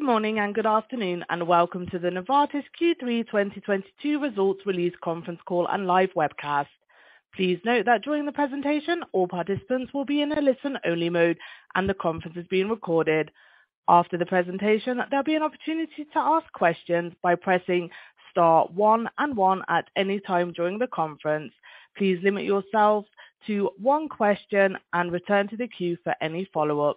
Good morning and good afternoon, and welcome to the Novartis Q3 2022 Results Release Conference Call and live webcast. Please note that during the presentation, all participants will be in a listen-only mode and the conference is being recorded. After the presentation, there'll be an opportunity to ask questions by pressing star one and one at any time during the conference. Please limit yourselves to one question and return to the queue for any follow-up.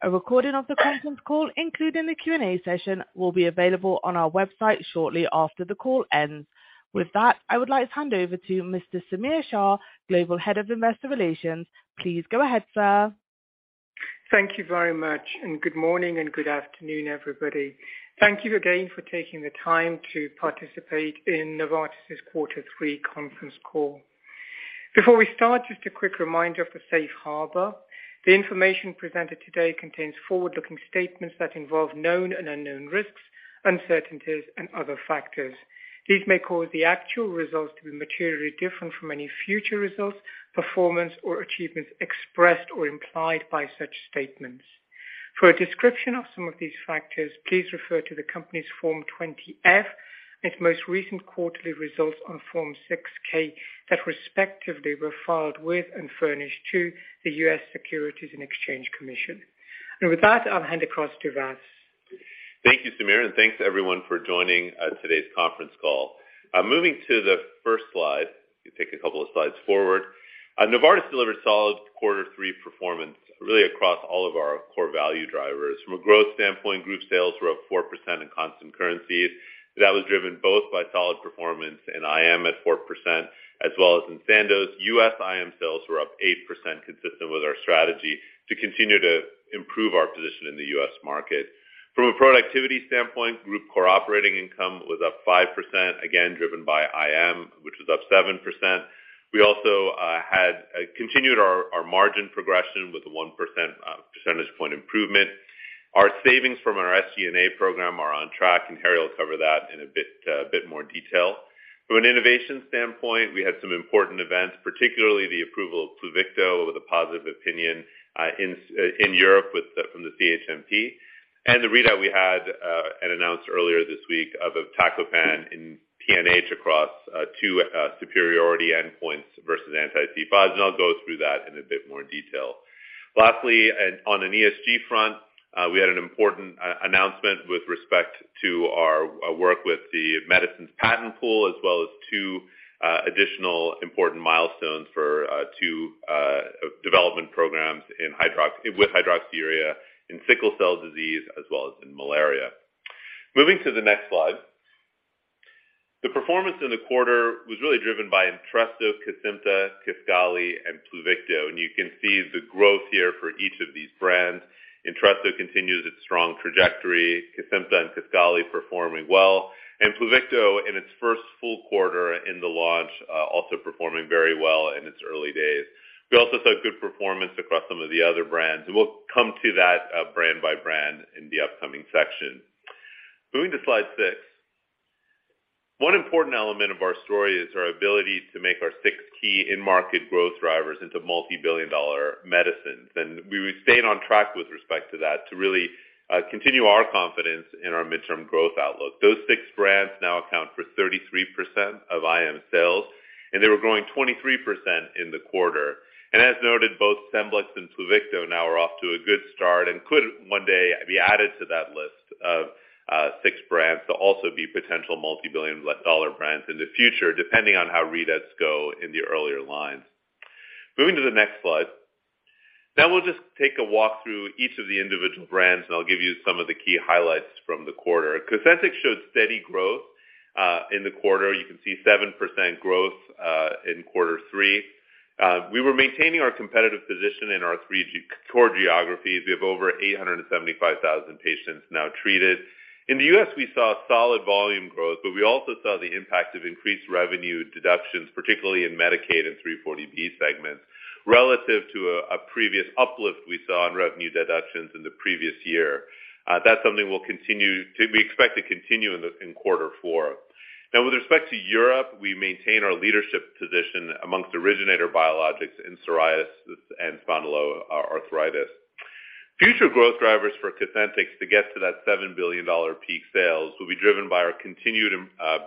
A recording of the conference call, including the Q&A session, will be available on our website shortly after the call ends. With that, I would like to hand over to Mr. Samir Shah, Global Head of Investor Relations. Please go ahead, sir. Thank you very much, and good morning and good afternoon, everybody. Thank you again for taking the time to participate in Novartis' quarter three conference call. Before we start, just a quick reminder of the Safe Harbor. The information presented today contains forward-looking statements that involve known and unknown risks, uncertainties, and other factors. These may cause the actual results to be materially different from any future results, performance, or achievements expressed or implied by such statements. For a description of some of these factors, please refer to the company's Form 20-F, its most recent quarterly results on Form 6-K, that respectively were filed with and furnished to the U.S. Securities and Exchange Commission. With that, I'll hand across to Vas. Thank you, Samir, and thanks everyone for joining today's conference call. Moving to the first slide. You take a couple of slides forward. Novartis delivered solid quarter three performance really across all of our core value drivers. From a growth standpoint, group sales were up 4% in constant currencies. That was driven both by solid performance in IM at 4% as well as in Sandoz. U.S. IM sales were up 8%, consistent with our strategy to continue to improve our position in the U.S. market. From a productivity standpoint, group core operating income was up 5%, again driven by IM, which was up 7%. We also continued our margin progression with a one percentage point improvement. Our savings from our SCNA program are on track, and Harry will cover that in a bit more detail. From an innovation standpoint, we had some important events, particularly the approval of Pluvicto with a positive opinion in Europe with from the CHMP, and the readout we had and announced earlier this week of Iptacopan in PNH across two superiority endpoints versus anti-C5. I'll go through that in a bit more detail. Lastly, on an ESG front, we had an important announcement with respect to our work with the Medicines Patent Pool, as well as two additional important milestones for two development programs with Hydroxyurea in sickle cell disease as well as in malaria. Moving to the next slide. The performance in the quarter was really driven by Entresto, Cosentyx, Kisqali, and Pluvicto, and you can see the growth here for each of these brands. Entresto continues its strong trajectory, Cosentyx and Kisqali performing well, and Pluvicto in its first full quarter in the launch, also performing very well in its early days. We also saw good performance across some of the other brands, and we'll come to that, brand by brand in the upcoming section. Moving to slide six. One important element of our story is our ability to make our six key end market growth drivers into multi-billion-dollar medicines. We've been staying on track with respect to that to really, continue our confidence in our midterm growth outlook. Those six brands now account for 33% of IM sales, and they were growing 23% in the quarter. As noted, both Scemblix and Pluvicto now are off to a good start and could one day be added to that list of six brands to also be potential multi-billion dollar brands in the future, depending on how readouts go in the earlier lines. Moving to the next slide. We'll just take a walk through each of the individual brands, and I'll give you some of the key highlights from the quarter. Cosentyx showed steady growth in the quarter. You can see 7% growth in quarter three. We were maintaining our competitive position in our three core geographies. We have over 875,000 patients now treated. In the US, we saw solid volume growth, but we also saw the impact of increased revenue deductions, particularly in Medicaid and 340B segments, relative to a previous uplift we saw in revenue deductions in the previous year. That's something we expect to continue in quarter four. Now with respect to Europe, we maintain our leadership position among originator biologics in Psoriasis and Spondyloarthritis. Future growth drivers for Cosentyx to get to that $7 billion peak sales will be driven by our continued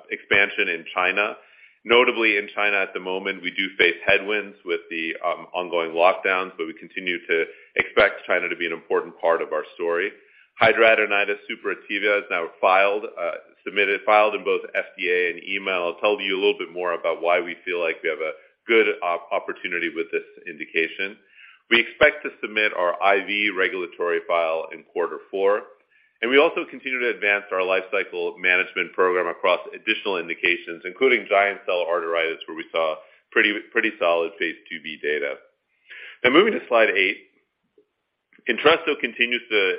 expansion in China. Notably in China at the moment, we do face headwinds with the ongoing lockdowns, but we continue to expect China to be an important part of our story. Hidradenitis suppurativa is now submitted in both FDA and EMA. I'll tell you a little bit more about why we feel like we have a good opportunity with this indication. We expect to submit our IV regulatory file in quarter four, and we also continue to advance our lifecycle management program across additional indications, including giant cell arteritis, where we saw pretty solid phase IIb data. Now moving to slide eight. Entresto continues to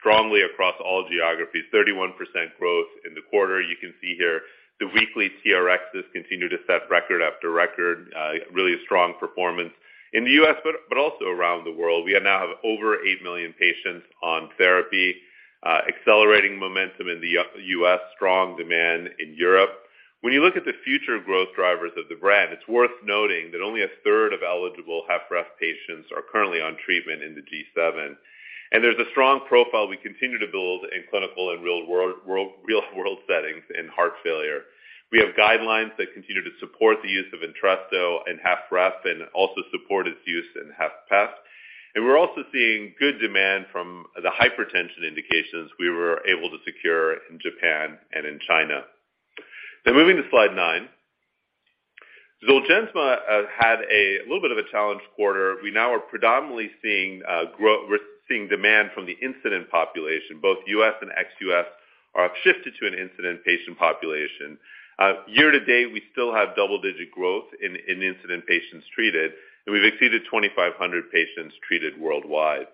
strongly across all geographies, 31% growth in the quarter. You can see here the weekly TRXs continue to set record after record, really a strong performance in the U.S. but also around the world. We now have over 8 million patients on therapy, accelerating momentum in the U.S., strong demand in Europe. When you look at the future growth drivers of the brand, it's worth noting that only a third of eligible HFrEF patients are currently on treatment in the G7, and there's a strong profile we continue to build in clinical and real-world settings in heart failure. We have guidelines that continue to support the use of Entresto in HFrEF and also support its use in HFpEF. We're also seeing good demand from the hypertension indications we were able to secure in Japan and in China. Now moving to slide nine. Zolgensma had a little bit of a challenged quarter. We now are predominantly seeing we're seeing demand from the incident population. Both U.S. and ex-U.S. are shifted to an incident patient population. Year to date, we still have double-digit growth in infant patients treated, and we've exceeded 2,500 patients treated worldwide.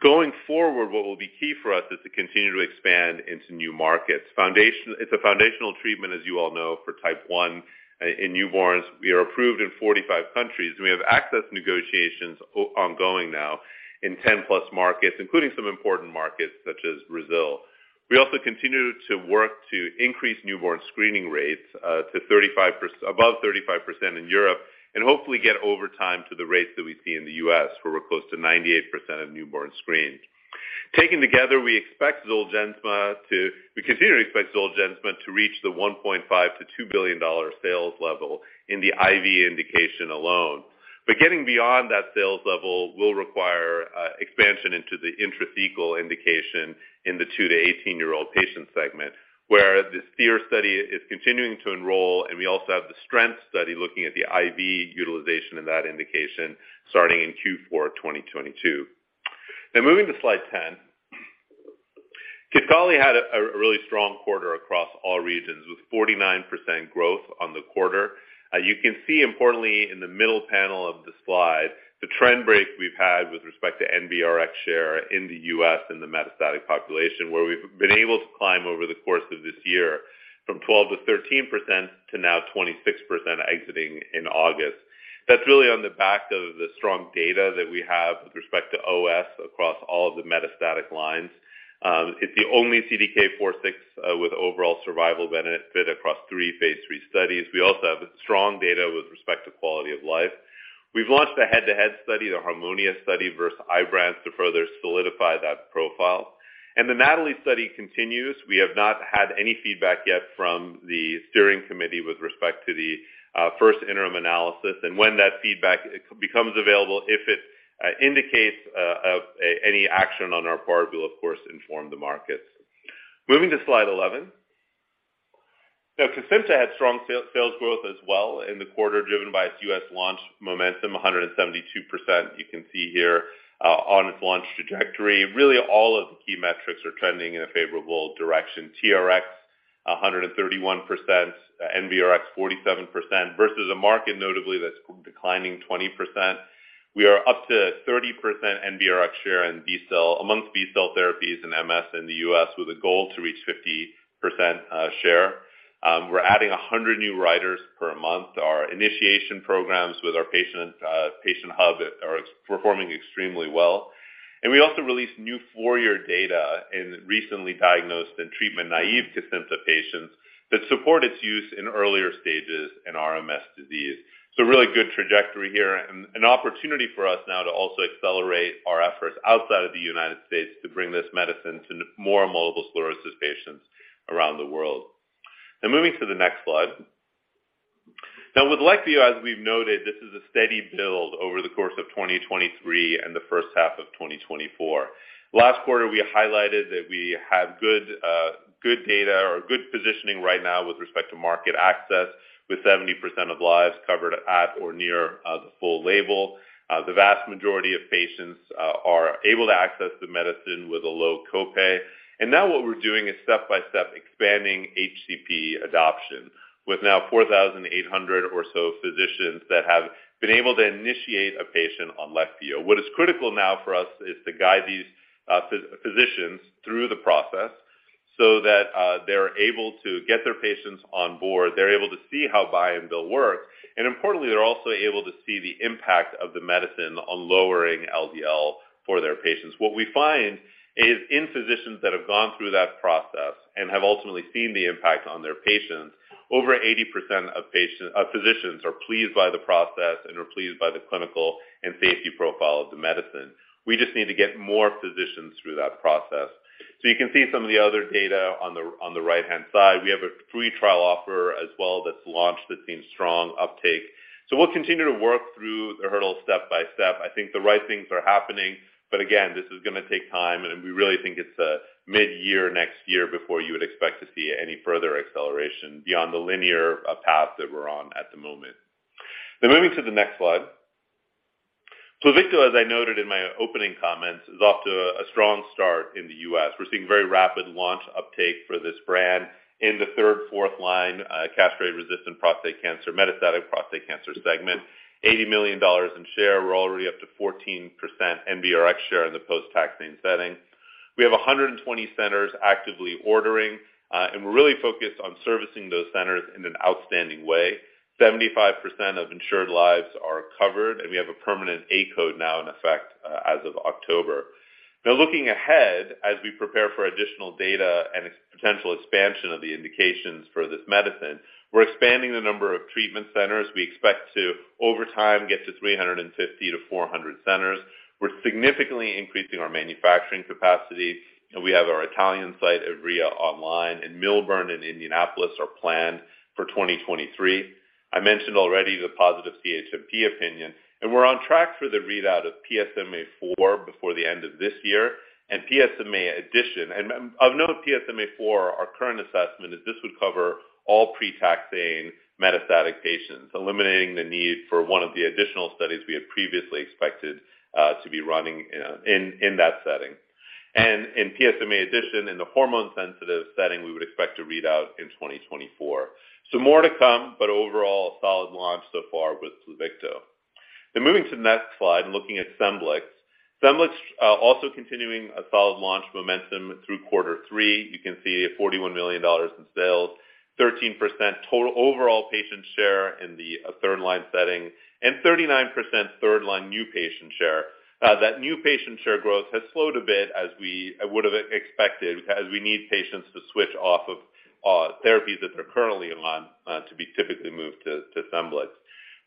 Going forward, what will be key for us is to continue to expand into new markets. Zolgensma is a foundational treatment, as you all know, for Type 1 in newborns. We are approved in 45 countries, and we have access negotiations ongoing now in 10+ markets, including some important markets such as Brazil. We also continue to work to increase newborn screening rates to above 35% in Europe and hopefully get over time to the rates that we see in the U.S., where we're close to 98% of newborns screened. Taken together, we continue to expect Zolgensma to reach the $1.5 billion-$2 billion sales level in the IV indication alone. Getting beyond that sales level will require expansion into the intrathecal indication in the 2- to 18-year-old patient segment, where the SPHERE study is continuing to enroll, and we also have the STRENGTH study looking at the IV utilization in that indication starting in Q4 2022. Now moving to slide 10. Kisqali had a really strong quarter across all regions with 49% growth on the quarter. You can see importantly in the middle panel of the slide, the trend break we've had with respect to NBRX share in the U.S. in the metastatic population, where we've been able to climb over the course of this year from 12%-13% to now 26% exiting in August. That's really on the back of the strong data that we have with respect to OS across all of the metastatic lines. It's the only CDK4/6 with overall survival benefit across three phase III studies. We also have strong data with respect to quality of life. We've launched a head-to-head study, the HARMONIA study versus Ibrance, to further solidify that profile. The NATALEE study continues. We have not had any feedback yet from the steering committee with respect to the first interim analysis. When that feedback becomes available, if it indicates any action on our part, we'll of course inform the markets. Moving to slide 11. Now Kesimpta had strong sales growth as well in the quarter, driven by its U.S. launch momentum, 172% you can see here on its launch trajectory. Really all of the key metrics are trending in a favorable direction. TRX 131%, NBRX 47% versus a market notably that's declining 20%. We are up to 30% NBRX share amongst B-cell therapies in MS in the U.S., with a goal to reach 50% share. We're adding 100 new riders per month. Our initiation programs with our patient hub are performing extremely well. We also released new four-year data in recently diagnosed and Treatment-naïve Kesimpta patients that support its use in earlier stages in RMS disease. A really good trajectory here and an opportunity for us now to also accelerate our efforts outside of the United States to bring this medicine to more multiple sclerosis patients around the world. Now moving to the next slide. Now with Leqvio, as we've noted, this is a steady build over the course of 2023 and the first half of 2024. Last quarter, we highlighted that we have good data or good positioning right now with respect to market access, with 70% of lives covered at or near the full label. The vast majority of patients are able to access the medicine with a low copay. Now what we're doing is step-by-step expanding HCP adoption with now 4,800 or so physicians that have been able to initiate a patient on Leqvio. What is critical now for us is to guide these physicians through the process so that they're able to get their patients on board, they're able to see how buy and bill work, and importantly, they're also able to see the impact of the medicine on lowering LDL for their patients. What we find is in physicians that have gone through that process and have ultimately seen the impact on their patients, over 80% of physicians are pleased by the process and are pleased by the clinical and safety profile of the medicine. We just need to get more physicians through that process. You can see some of the other data on the right-hand side. We have a free trial offer as well that's launched that's seen strong uptake. We'll continue to work through the hurdles step by step. I think the right things are happening, but again, this is gonna take time, and we really think it's mid-year next year before you would expect to see any further acceleration beyond the linear path that we're on at the moment. Now moving to the next slide. Pluvicto, as I noted in my opening comments, is off to a strong start in the U.S. We're seeing very rapid launch uptake for this brand in the third, fourth line castration-resistant prostate cancer, metastatic prostate cancer segment, $80 million in sales. We're already up to 14% NBRX share in the post-taxane setting. We have 120 centers actively ordering, and we're really focused on servicing those centers in an outstanding way. 75% of insured lives are covered, and we have a permanent A code now in effect as of October. Looking ahead, as we prepare for additional data and its potential expansion of the indications for this medicine, we're expanding the number of treatment centers. We expect to, over time, get to 350-400 centers. We're significantly increasing our manufacturing capacity, and we have our Italian site, Ivrea, online, and Millburn and Indianapolis are planned for 2023. I mentioned already the positive CHMP opinion, and we're on track for the readout of PSMAfore before the end of this year, and PSMAddition. Of note, PSMAfore, our current assessment is this would cover all pre-taxane metastatic patients, eliminating the need for one of the additional studies we had previously expected to be running in that setting. In PSMAddition, in the hormone-sensitive setting, we would expect to read out in 2024. More to come, but overall a solid launch so far with Pluvicto. Moving to the next slide, looking at Semglee. Semglee is also continuing a solid launch momentum through quarter three. You can see $41 million in sales, 13% total overall patient share in the third line setting, and 39% third line new patient share. That new patient share growth has slowed a bit as we would have expected, as we need patients to switch off of therapies that they're currently on to be typically moved to Semglee.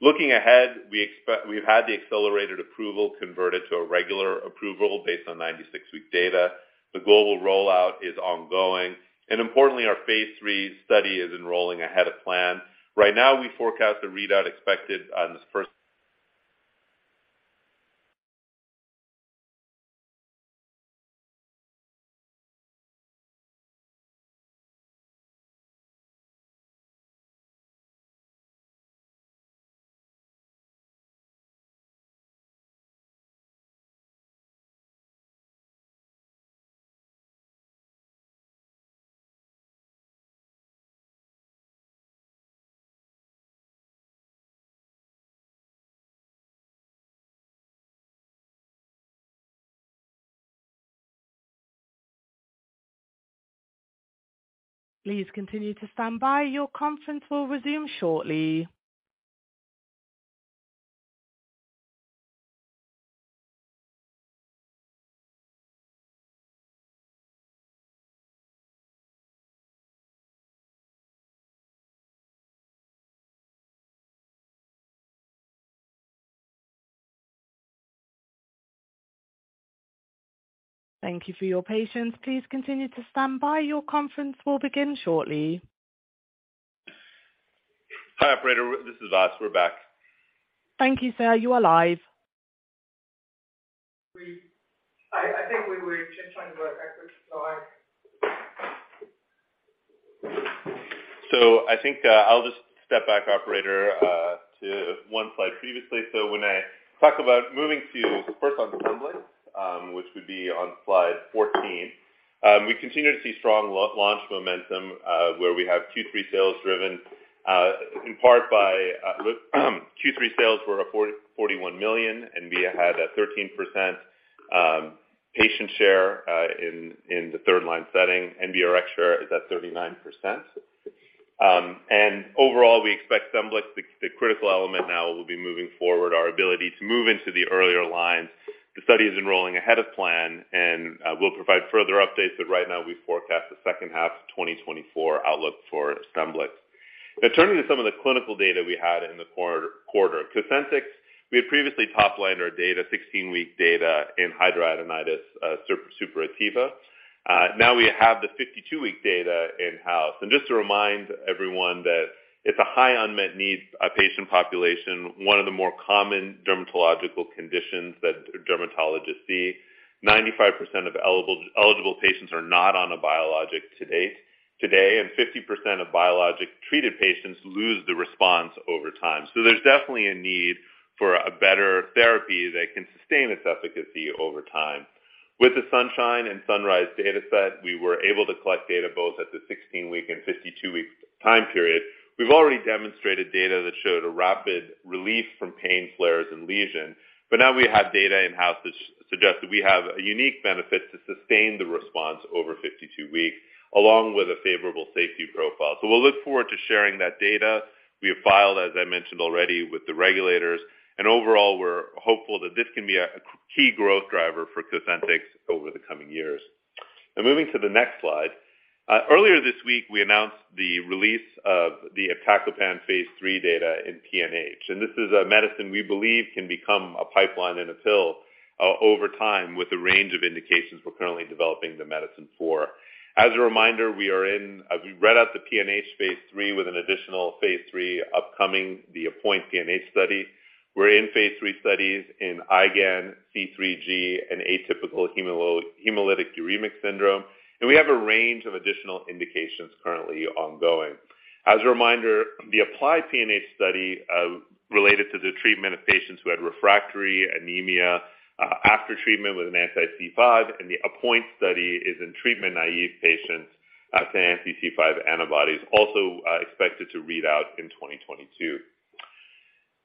Looking ahead, we've had the accelerated approval converted to a regular approval based on 96-week data. The global rollout is ongoing, and importantly, our phase III study is enrolling ahead of plan. Right now, we forecast the readout expected on this first. Please continue to stand by. Your conference will resume shortly. Thank you for your patience. Please continue to stand by. Your conference will begin shortly. Hi, operator, this is us. We're back. Thank you, sir. You are live. I think I'll just step back, operator, to one slide previously. When I talk about moving to first on Semglee, which would be on slide 14, we continue to see strong launch momentum, where we have Q3 sales driven in part by with Q3 sales were at $41 million, and we had a 13% patient share in the third line setting, and VRX share is at 39%. And overall, we expect Semglee, the critical element now will be moving forward our ability to move into the earlier lines. The study is enrolling ahead of plan, and we'll provide further updates, but right now we forecast the second half of 2024 outlook for Semglee. Now turning to some of the clinical data we had in the quarter. Cosentyx, we had previously top-lined our data, 16-week data in hidradenitis suppurativa. Now we have the 52-week data in-house. Just to remind everyone that it's a high unmet need patient population, one of the more common dermatological conditions that dermatologists see. 95% of eligible patients are not on a biologic today, and 50% of biologic-treated patients lose the response over time. There's definitely a need for a better therapy that can sustain its efficacy over time. With the Sunshine and Sunrise dataset, we were able to collect data both at the 16-week and 52-week time period. We've already demonstrated data that showed a rapid relief from pain flares and lesions, but now we have data in-house that suggests that we have a unique benefit to sustain the response over 52 weeks, along with a favorable safety profile. We'll look forward to sharing that data. We have filed, as I mentioned already, with the regulators. Overall, we're hopeful that this can be a key growth driver for Cosentyx over the coming years. Now moving to the next slide. Earlier this week, we announced the release of the Iptacopan phase III data in PNH. This is a medicine we believe can become a pipeline in a pill over time, with a range of indications we're currently developing the medicine for. As a reminder, we read out the PNH phase III with an additional phase III upcoming the APPOINT-PNH study. We're in phase III studies in IgAN, C3G, and Atypical hemolytic uremic syndrome. We have a range of additional indications currently ongoing. As a reminder, the APPLY-PNH study related to the treatment of patients who had refractory anemia after treatment with an anti-C5, and the APPOINT-PNH study is in treatment-naïve patients to anti-C5 antibodies, also expected to read out in 2022.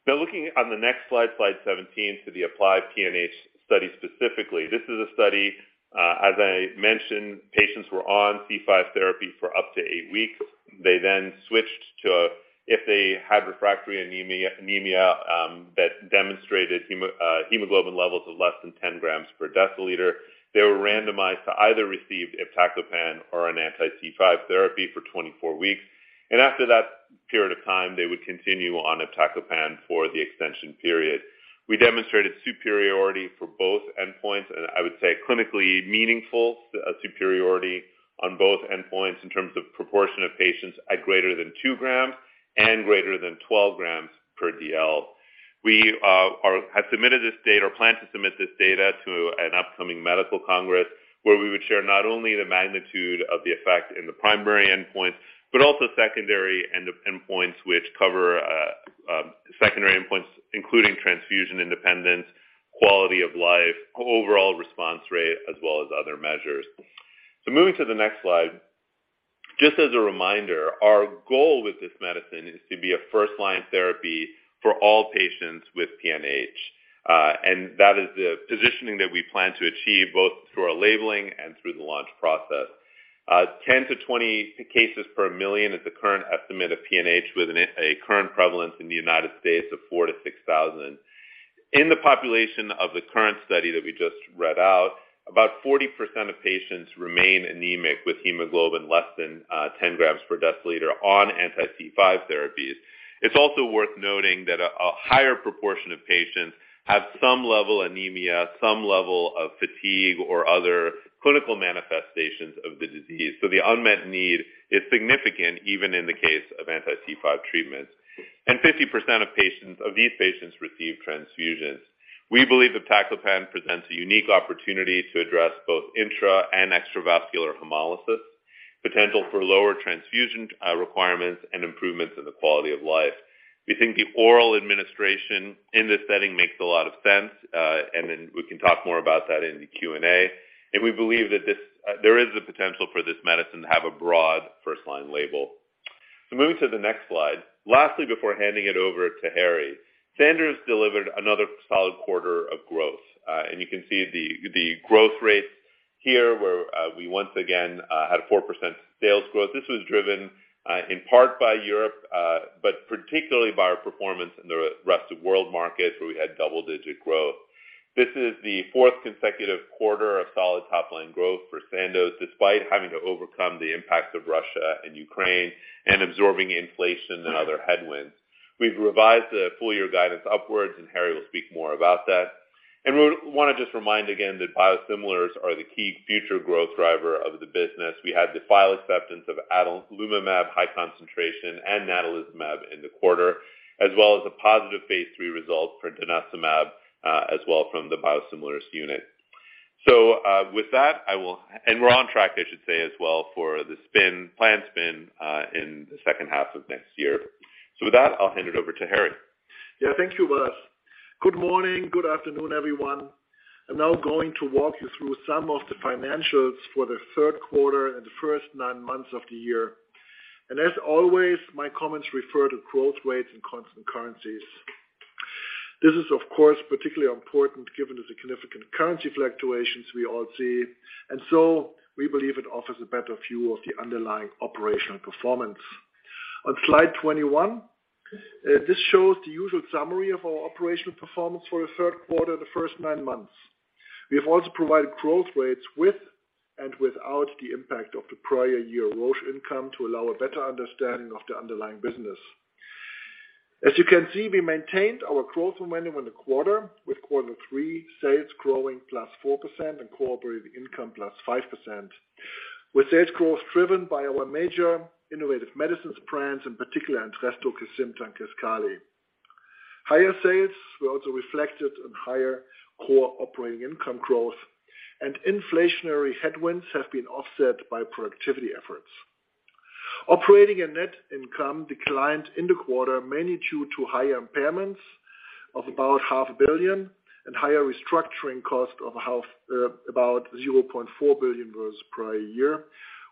Now looking on the next slide 17, to the APPLY-PNH study specifically. This is a study, as I mentioned, patients were on C5 therapy for up to eight weeks. They then switched to. If they had refractory anemia that demonstrated hemoglobin levels of less than 10 grams per deciliter, they were randomized to either receive Iptacopan or an anti-C5 therapy for 24 weeks. After that period of time, they would continue on Iptacopan for the extension period. We demonstrated superiority for both endpoints, and I would say clinically meaningful superiority on both endpoints in terms of proportion of patients at greater than two grams and greater than 12 grams per DL. We have submitted this data or plan to submit this data to an upcoming medical congress, where we would share not only the magnitude of the effect in the primary endpoints, but also secondary endpoints which cover secondary endpoints, including transfusion independence, quality of life, overall response rate, as well as other measures. Moving to the next slide. Just as a reminder, our goal with this medicine is to be a first-line therapy for all patients with PNH. That is the positioning that we plan to achieve both through our labeling and through the launch process. 10-20 cases per million is the current estimate of PNH, with a current prevalence in the United States of 4,000-6,000. In the population of the current study that we just read out, about 40% of patients remain anemic with hemoglobin less than 10 grams per deciliter on anti-C5 therapies. It's also worth noting that a higher proportion of patients have some level anemia, some level of fatigue or other clinical manifestations of the disease. The unmet need is significant even in the case of anti-C5 treatments. 50% of patients, of these patients receive transfusions. We believe iptacopan presents a unique opportunity to address both intra and extravascular hemolysis, potential for lower transfusion requirements, and improvements in the quality of life. We think the oral administration in this setting makes a lot of sense, and then we can talk more about that in the Q&A. We believe that there is a potential for this medicine to have a broad first-line label. Moving to the next slide. Lastly, before handing it over to Harry, Sandoz delivered another solid quarter of growth. You can see the growth rates here where we once again had a 4% sales growth. This was driven in part by Europe, but particularly by our performance in the rest of world markets, where we had double-digit growth. This is the fourth consecutive quarter of solid top line growth for Sandoz, despite having to overcome the impacts of Russia and Ukraine and absorbing inflation and other headwinds. We've revised the full year guidance upwards, and Harry will speak more about that. We wanna just remind again that biosimilars are the key future growth driver of the business. We had the file acceptance of adalimumab high concentration and natalizumab in the quarter, as well as a positive phase III result for denosumab, as well from the biosimilars unit. With that, we're on track, I should say as well, for the planned spin in the second half of next year. With that, I'll hand it over to Harry. Yeah, thank you, Wes. Good morning, good afternoon, everyone. I'm now going to walk you through some of the financials for the third quarter and the first nine months of the year. As always, my comments refer to growth rates in constant currencies. This is of course, particularly important given the significant currency fluctuations we all see. We believe it offers a better view of the underlying operational performance. On slide 21, this shows the usual summary of our operational performance for the third quarter, the first nine months. We have also provided growth rates with and without the impact of the prior year Roche income to allow a better understanding of the underlying business. As you can see, we maintained our growth momentum in the quarter, with quarter three sales growing +4% and core operating income +5%, with sales growth driven by our major Innovative Medicines brands, in particular Entresto, Kisqali, and Kesimpta. Higher sales were also reflected in higher core operating income growth, and inflationary headwinds have been offset by productivity efforts. Operating and net income declined in the quarter, mainly due to higher impairments of about $ 0.5 a billion and higher restructuring cost of half, about $0.4 billion versus prior year,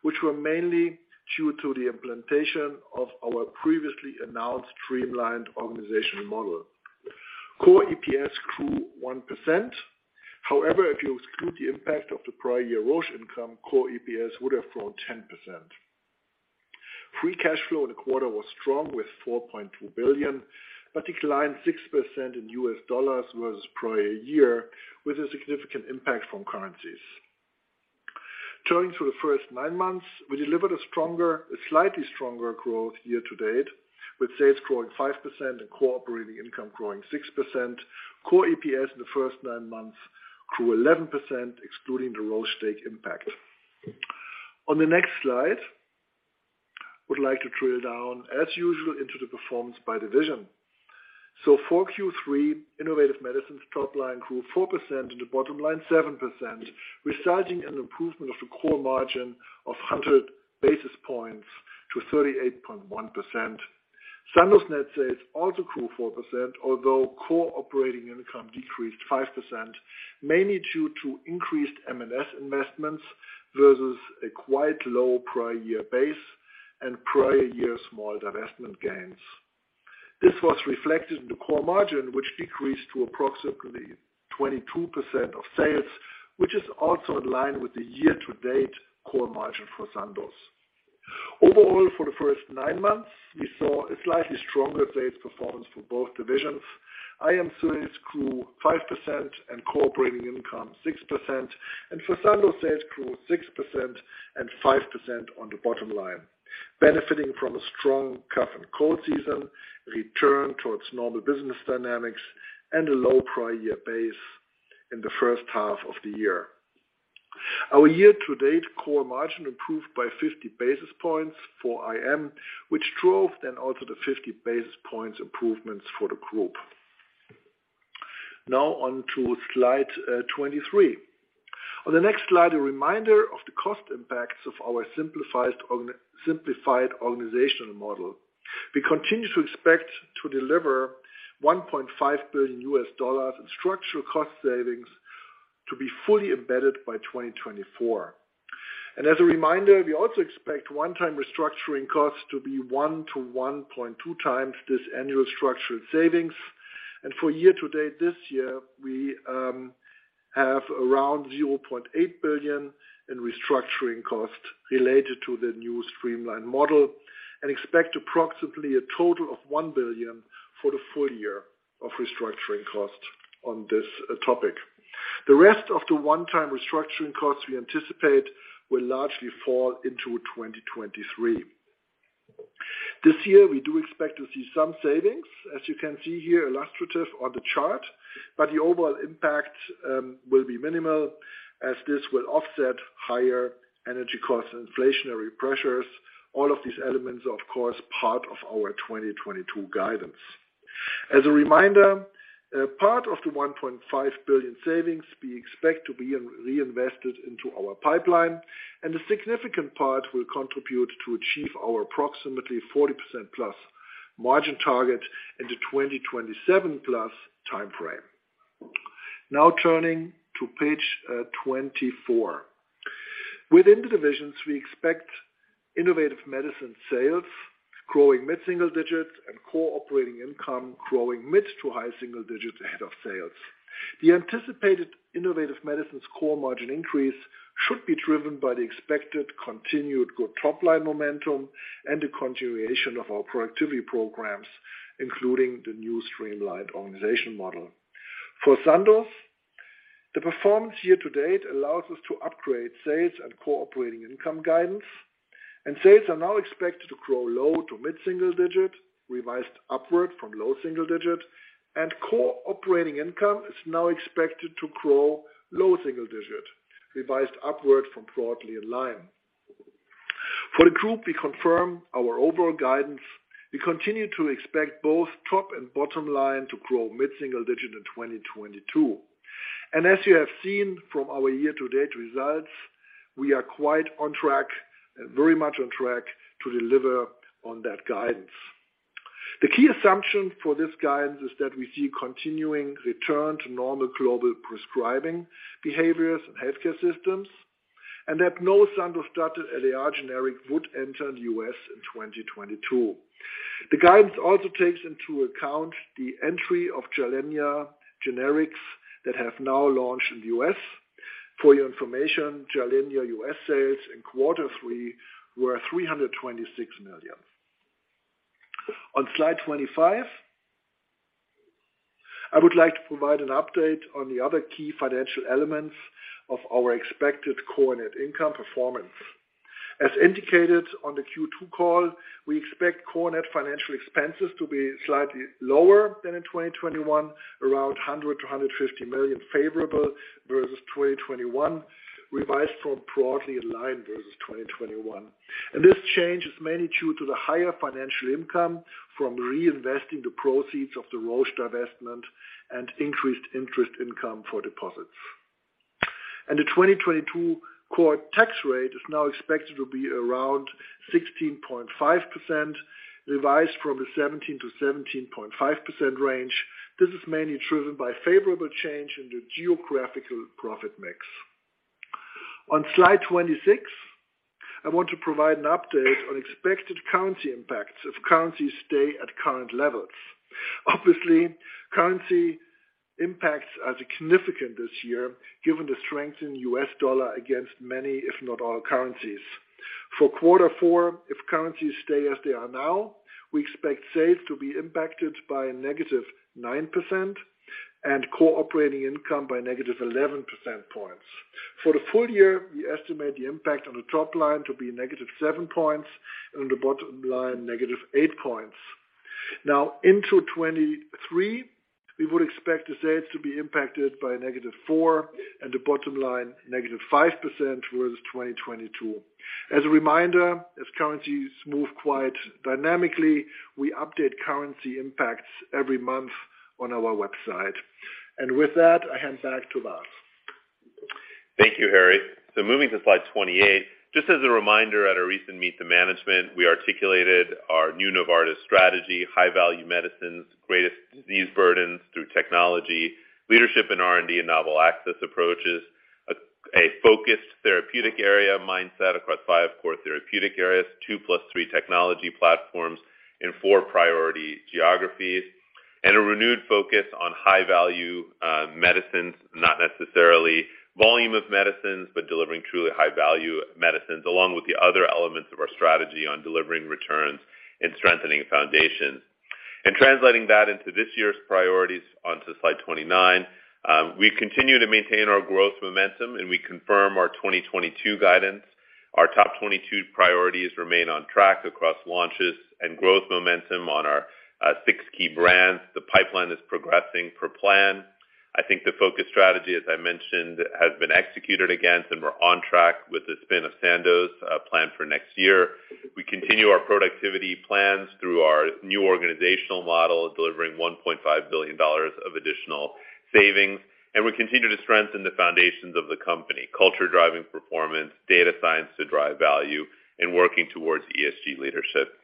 which were mainly due to the implementation of our previously announced streamlined organizational model. Core EPS grew 1%. However, if you exclude the impact of the prior year Roche income, core EPS would have grown 10%. Free cash flow in the quarter was strong with $4.2 billion, but declined 6% in U.S. dollars versus prior year, with a significant impact from currencies. Turning to the first nine months, we delivered a slightly stronger growth year to date, with sales growing 5% and core operating income growing 6%. Core EPS in the first nine months grew 11%, excluding the Roche stake impact. On the next slide, I would like to drill down, as usual, into the performance by division. For Q3, Innovative Medicines top line grew 4% and the bottom line 7%, resulting in an improvement of the core margin of 100 basis points to 38.1%. Sandoz net sales also grew 4%, although core operating income decreased 5%, mainly due to increased M&S investments versus a quite low prior year base and prior year small divestment gains. This was reflected in the core margin, which decreased to approximately 22% of sales, which is also in line with the year to date core margin for Sandoz. Overall, for the first nine months, we saw a slightly stronger sales performance for both divisions. IM sales grew 5% and core operating income 6%. For Sandoz, sales grew 6% and 5% on the bottom line, benefiting from a strong cough and cold season, return towards normal business dynamics, and a low prior year base in the first half of the year. Our year-to-date core margin improved by 50 basis points for IM, which drove then also the 50 basis points improvements for the group. Now on to slide 23. On the next slide, a reminder of the cost impacts of our simplified organizational model. We continue to expect to deliver $1.5 billion in structural cost savings to be fully embedded by 2024. As a reminder, we also expect one-time restructuring costs to be 1x-1.2x this annual structural savings. For year to date this year, we have around $0.8 billion in restructuring costs related to the new streamlined model, and expect approximately a total of $1 billion for the full year of restructuring costs on this topic. The rest of the one-time restructuring costs we anticipate will largely fall into 2023. This year, we do expect to see some savings, as you can see here illustrative on the chart, but the overall impact will be minimal as this will offset higher energy costs, inflationary pressures. All of these elements are, of course, part of our 2022 guidance. As a reminder, part of the $1.5 billion savings we expect to be reinvested into our pipeline, and a significant part will contribute to achieve our approximately 40%+ margin target in the 2027+ timeframe. Now turning to page 24. Within the divisions, we expect Innovative Medicines sales growing mid-single-digit % and core operating income growing mid- to high-single-digit % ahead of sales. The anticipated Innovative Medicines core margin increase should be driven by the expected continued good top line momentum and the continuation of our productivity programs, including the new streamlined organization model. For Sandoz, the performance year to date allows us to upgrade sales and core operating income guidance. Sales are now expected to grow low- to mid-single-digit, revised upward from low single-digit. Core operating income is now expected to grow low single-digit, revised upward from broadly in line. For the group, we confirm our overall guidance. We continue to expect both top and bottom line to grow mid-single-digit in 2022. As you have seen from our year-to-date results, we are quite on track, very much on track to deliver on that guidance. The key assumption for this guidance is that we see continuing return to normal global prescribing behaviors and healthcare systems, and that no Sandoz adalimumab generic would enter the U.S. in 2022. The guidance also takes into account the entry of Gilenya generics that have now launched in the U.S. For your information, Gilenya U.S. sales in quarter 3 were $326 million. On slide 25, I would like to provide an update on the other key financial elements of our expected core net income performance. As indicated on the Q2 call, we expect core net financial expenses to be slightly lower than in 2021, around $100 million-$150 million favorable versus 2021, revised from broadly in line versus 2021. This change is mainly due to the higher financial income from reinvesting the proceeds of the Roche divestment and increased interest income for deposits. The 2022 core tax rate is now expected to be around 16.5%, revised from the 17%-17.5% range. This is mainly driven by favorable change in the geographical profit mix. On slide 26, I want to provide an update on expected currency impacts if currencies stay at current levels. Obviously, currency impacts are significant this year given the strength in U.S. dollar against many, if not all, currencies. For quarter four, if currencies stay as they are now, we expect sales to be impacted by -9% and core operating income by -11 percentage points. For the full year, we estimate the impact on the top line to be -7 points and on the bottom line -8 points. Now into 2023, we would expect the sales to be impacted by a negative 4% and the bottom line negative 5% versus 2022. As a reminder, as currencies move quite dynamically, we update currency impacts every month on our website. With that, I hand back to Vas. Thank you, Harry. Moving to slide 28. Just as a reminder, at our recent meet the management, we articulated our new Novartis strategy, high-value medicines, greatest disease burdens through technology, leadership in R&D and novel access approaches, focused therapeutic area mindset across five core therapeutic areas, 2 + 3 technology platforms in four priority geographies, and a renewed focus on high-value medicines, not necessarily volume of medicines, but delivering truly high-value medicines, along with the other elements of our strategy on delivering returns and strengthening foundations. Translating that into this year's priorities, onto slide 29, we continue to maintain our growth momentum, and we confirm our 2022 guidance. Our top 22 priorities remain on track across launches and growth momentum on our six key brands. The pipeline is progressing per plan. I think the focus strategy, as I mentioned, has been executed against, and we're on track with the spin of Sandoz, planned for next year. We continue our productivity plans through our new organizational model, delivering $1.5 billion of additional savings, and we continue to strengthen the foundations of the company, culture driving performance, data science to drive value, and working towards ESG leadership.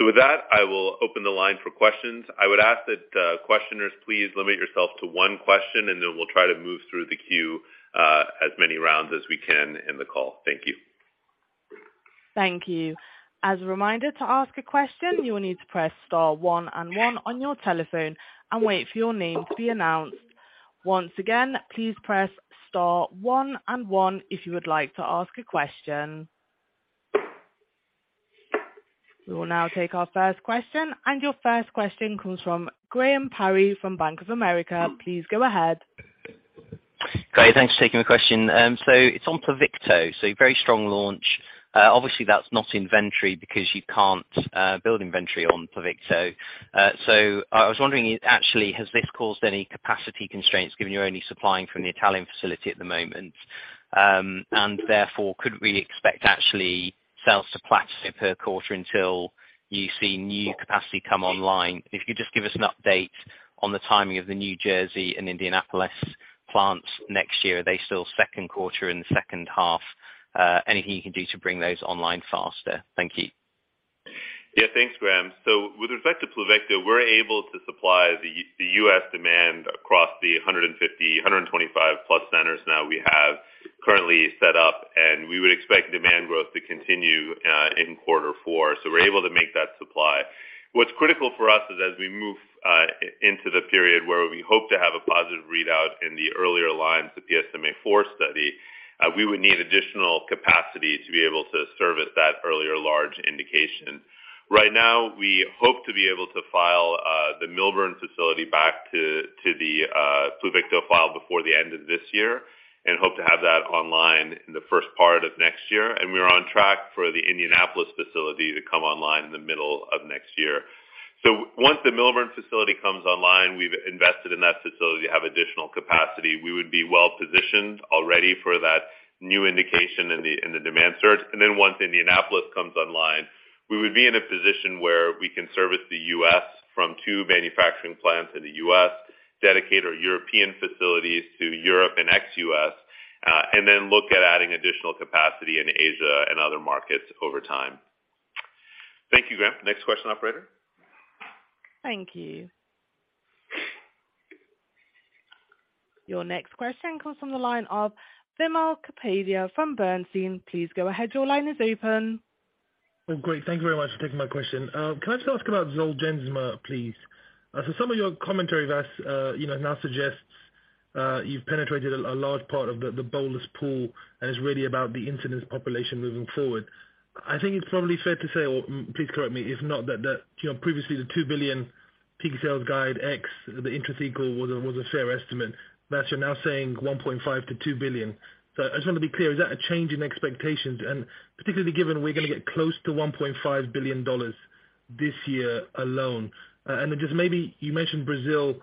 With that, I will open the line for questions. I would ask that questioners please limit yourself to one question, and then we'll try to move through the queue, as many rounds as we can in the call. Thank you. Thank you. As a reminder, to ask a question, you will need to press star one and one on your telephone and wait for your name to be announced. Once again, please press star one and one if you would like to ask a question. We will now take our first question, and your first question comes from Graham Parry from Bank of America. Please go ahead. Great. Thanks for taking my question. It's on Pluvicto. Very strong launch. Obviously that's not inventory because you can't build inventory on Pluvicto. I was wondering actually, has this caused any capacity constraints given you're only supplying from the Italian facility at the moment? And therefore, could we expect actually sales to plateau per quarter until you see new capacity come online? If you just give us an update on the timing of the New Jersey and Indianapolis plants next year. Are they still second quarter in the second half? Anything you can do to bring those online faster? Thank you. Yeah, thanks, Graham. With respect to Pluvicto, we're able to supply the U.S. demand across the 150, 125+ Centers now we have currently set up, and we would expect demand growth to continue in quarter four. We're able to make that supply. What's critical for us is as we move into the period where we hope to have a positive readout in the earlier lines, the PSMAfore study, we would need additional capacity to be able to service that earlier large indication. Right now, we hope to be able to file the Millburn facility back to the Pluvicto file before the end of this year and hope to have that online in the first part of next year. We're on track for the Indianapolis facility to come online in the middle of next year. Once the Millburn facility comes online, we've invested in that facility to have additional capacity. We would be well-positioned already for that new indication in the demand surge. Once Indianapolis comes online, we would be in a position where we can service the U.S. from two manufacturing plants in the U.S., dedicate our European facilities to Europe and ex-U.S., and then look at adding additional capacity in Asia and other markets over time. Thank you, Graham. Next question, operator. Thank you. Your next question comes from the line of Wimal Kapadia from Bernstein. Please go ahead. Your line is open. Oh, great. Thank you very much for taking my question. Can I just ask about Zolgensma, please? So some of your commentary, Vas, you know, now suggests you've penetrated a large part of the bolus pool and it's really about the incidence population moving forward. I think it's probably fair to say, or please correct me if not, that you know, previously the $2 billion peak sales guidance was a fair estimate. Vas, you're now saying $1.5 billion-$2 billion. So I just want to be clear, is that a change in expectations, and particularly given we're gonna get close to $1.5 billion this year alone? And then just maybe you mentioned Brazil,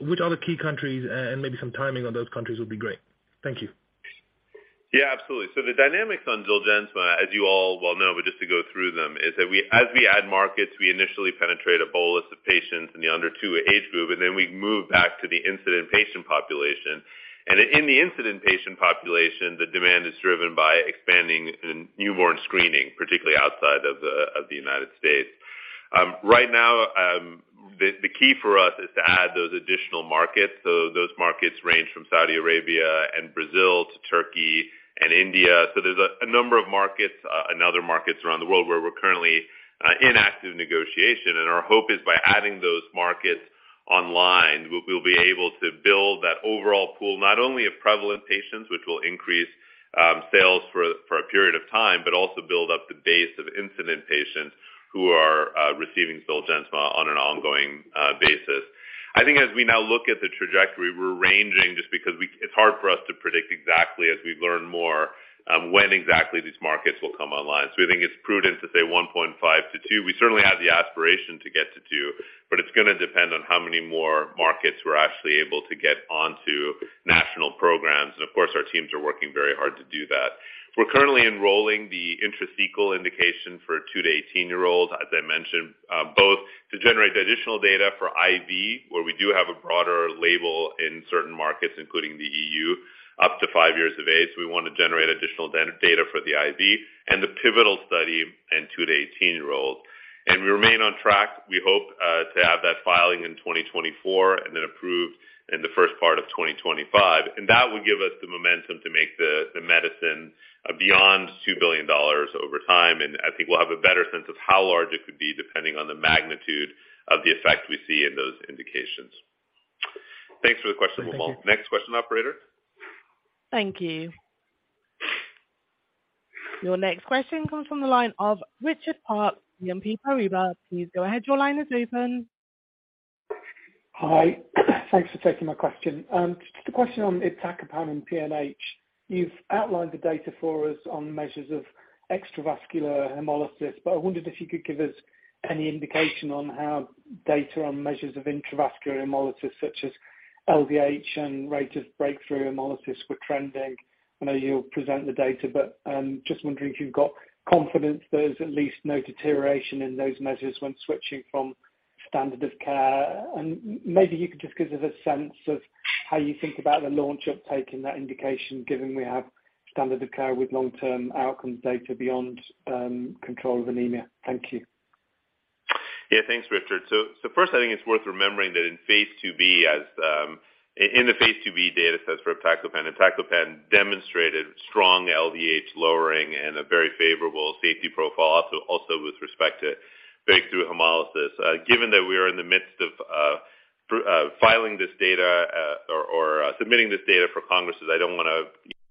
which other key countries and maybe some timing on those countries would be great. Thank you. Yeah, absolutely. The dynamics on Zolgensma, as you all well know, but just to go through them, is that as we add markets, we initially penetrate a bolus of patients in the under two age group, and then we move back to the incident patient population. In the incident patient population, the demand is driven by expanding in newborn screening, particularly outside of the United States. Right now, the key for us is to add those additional markets. Those markets range from Saudi Arabia and Brazil to Turkey and India. There's a number of markets, and other markets around the world where we're currently in active negotiation. Our hope is by adding those markets online, we'll be able to build that overall pool not only of prevalent patients, which will increase sales for a period of time, but also build up the base of incident patients who are receiving Zolgensma on an ongoing basis. I think as we now look at the trajectory, we're ranging just because it's hard for us to predict exactly as we learn more, when exactly these markets will come online. We think it's prudent to say $1.5-$2. We certainly have the aspiration to get to $2, but it's gonna depend on how many more markets we're actually able to get onto national programs. Of course, our teams are working very hard to do that. We're currently enrolling the sickle cell indication for 2- to 18-year-olds, as I mentioned, both to generate the additional data for IV, where we do have a broader label in certain markets, including the EU, up to 5 years of age. We want to generate additional data for the IV and the pivotal study in 2- to 18-year-olds. We remain on track. We hope to have that filing in 2024 and then approved in the first part of 2025. That would give us the momentum to make the medicine beyond $2 billion over time. I think we'll have a better sense of how large it could be depending on the magnitude of the effect we see in those indications. Thanks for the question, Vimal. Next question, operator. Thank you. Your next question comes from the line of Richard Parkes, BNP Paribas. Please go ahead. Your line is open. Hi. Thanks for taking my question. Just a question on Iptacopan and PNH. You've outlined the data for us on measures of extravascular hemolysis, but I wondered if you could give us any indication on how data on measures of intravascular hemolysis such as LDH and rate of breakthrough hemolysis were trending. I know you'll present the data, but just wondering if you've got confidence there's at least no deterioration in those measures when switching from standard of care. Maybe you could just give us a sense of how you think about the launch uptake in that indication given we have standard of care with long-term outcomes data beyond control of anemia. Thank you. Yeah. Thanks, Richard. First, I think it's worth remembering that in phase IIB, in the phase IIB data sets for Iptacopan demonstrated strong LDH lowering and a very favorable safety profile, also with respect to breakthrough hemolysis. Given that we are in the midst of filing this data, or submitting this data for congress, I don't wanna, you know, update on the secondary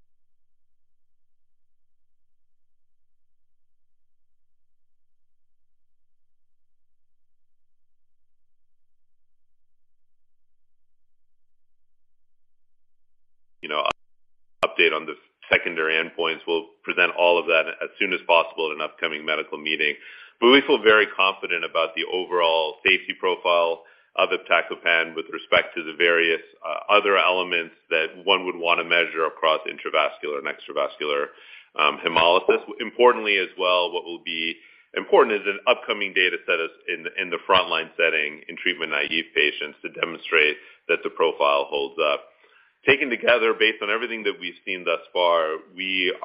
endpoints. We'll present all of that as soon as possible at an upcoming medical meeting. But we feel very confident about the overall safety profile of Iptacopan with respect to the various other elements that one would wanna measure across intravascular and extravascular hemolysis. Importantly as well, what will be important is an upcoming data set in the frontline setting in treatment-naïve patients to demonstrate that the profile holds up. Taken together based on everything that we've seen thus far,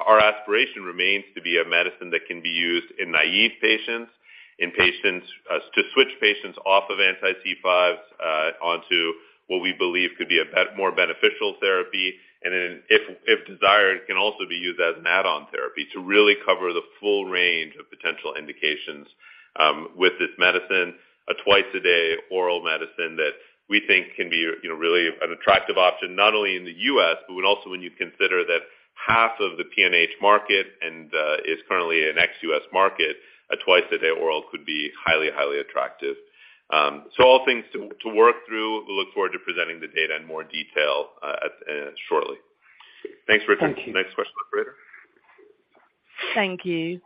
our aspiration remains to be a medicine that can be used in naïve patients to switch patients off of anti-C5 onto what we believe could be a more beneficial therapy. If desired, it can also be used as an add-on therapy to really cover the full range of potential indications with this medicine, a twice-a-day oral medicine that we think can be, you know, really an attractive option, not only in the U.S., but when you consider that half of the PNH market is currently an ex-U.S. market, a twice-a-day oral could be highly attractive. All things to work through. We look forward to presenting the data in more detail shortly. Thanks, Richard. Thank you. Next question, operator. Thank you.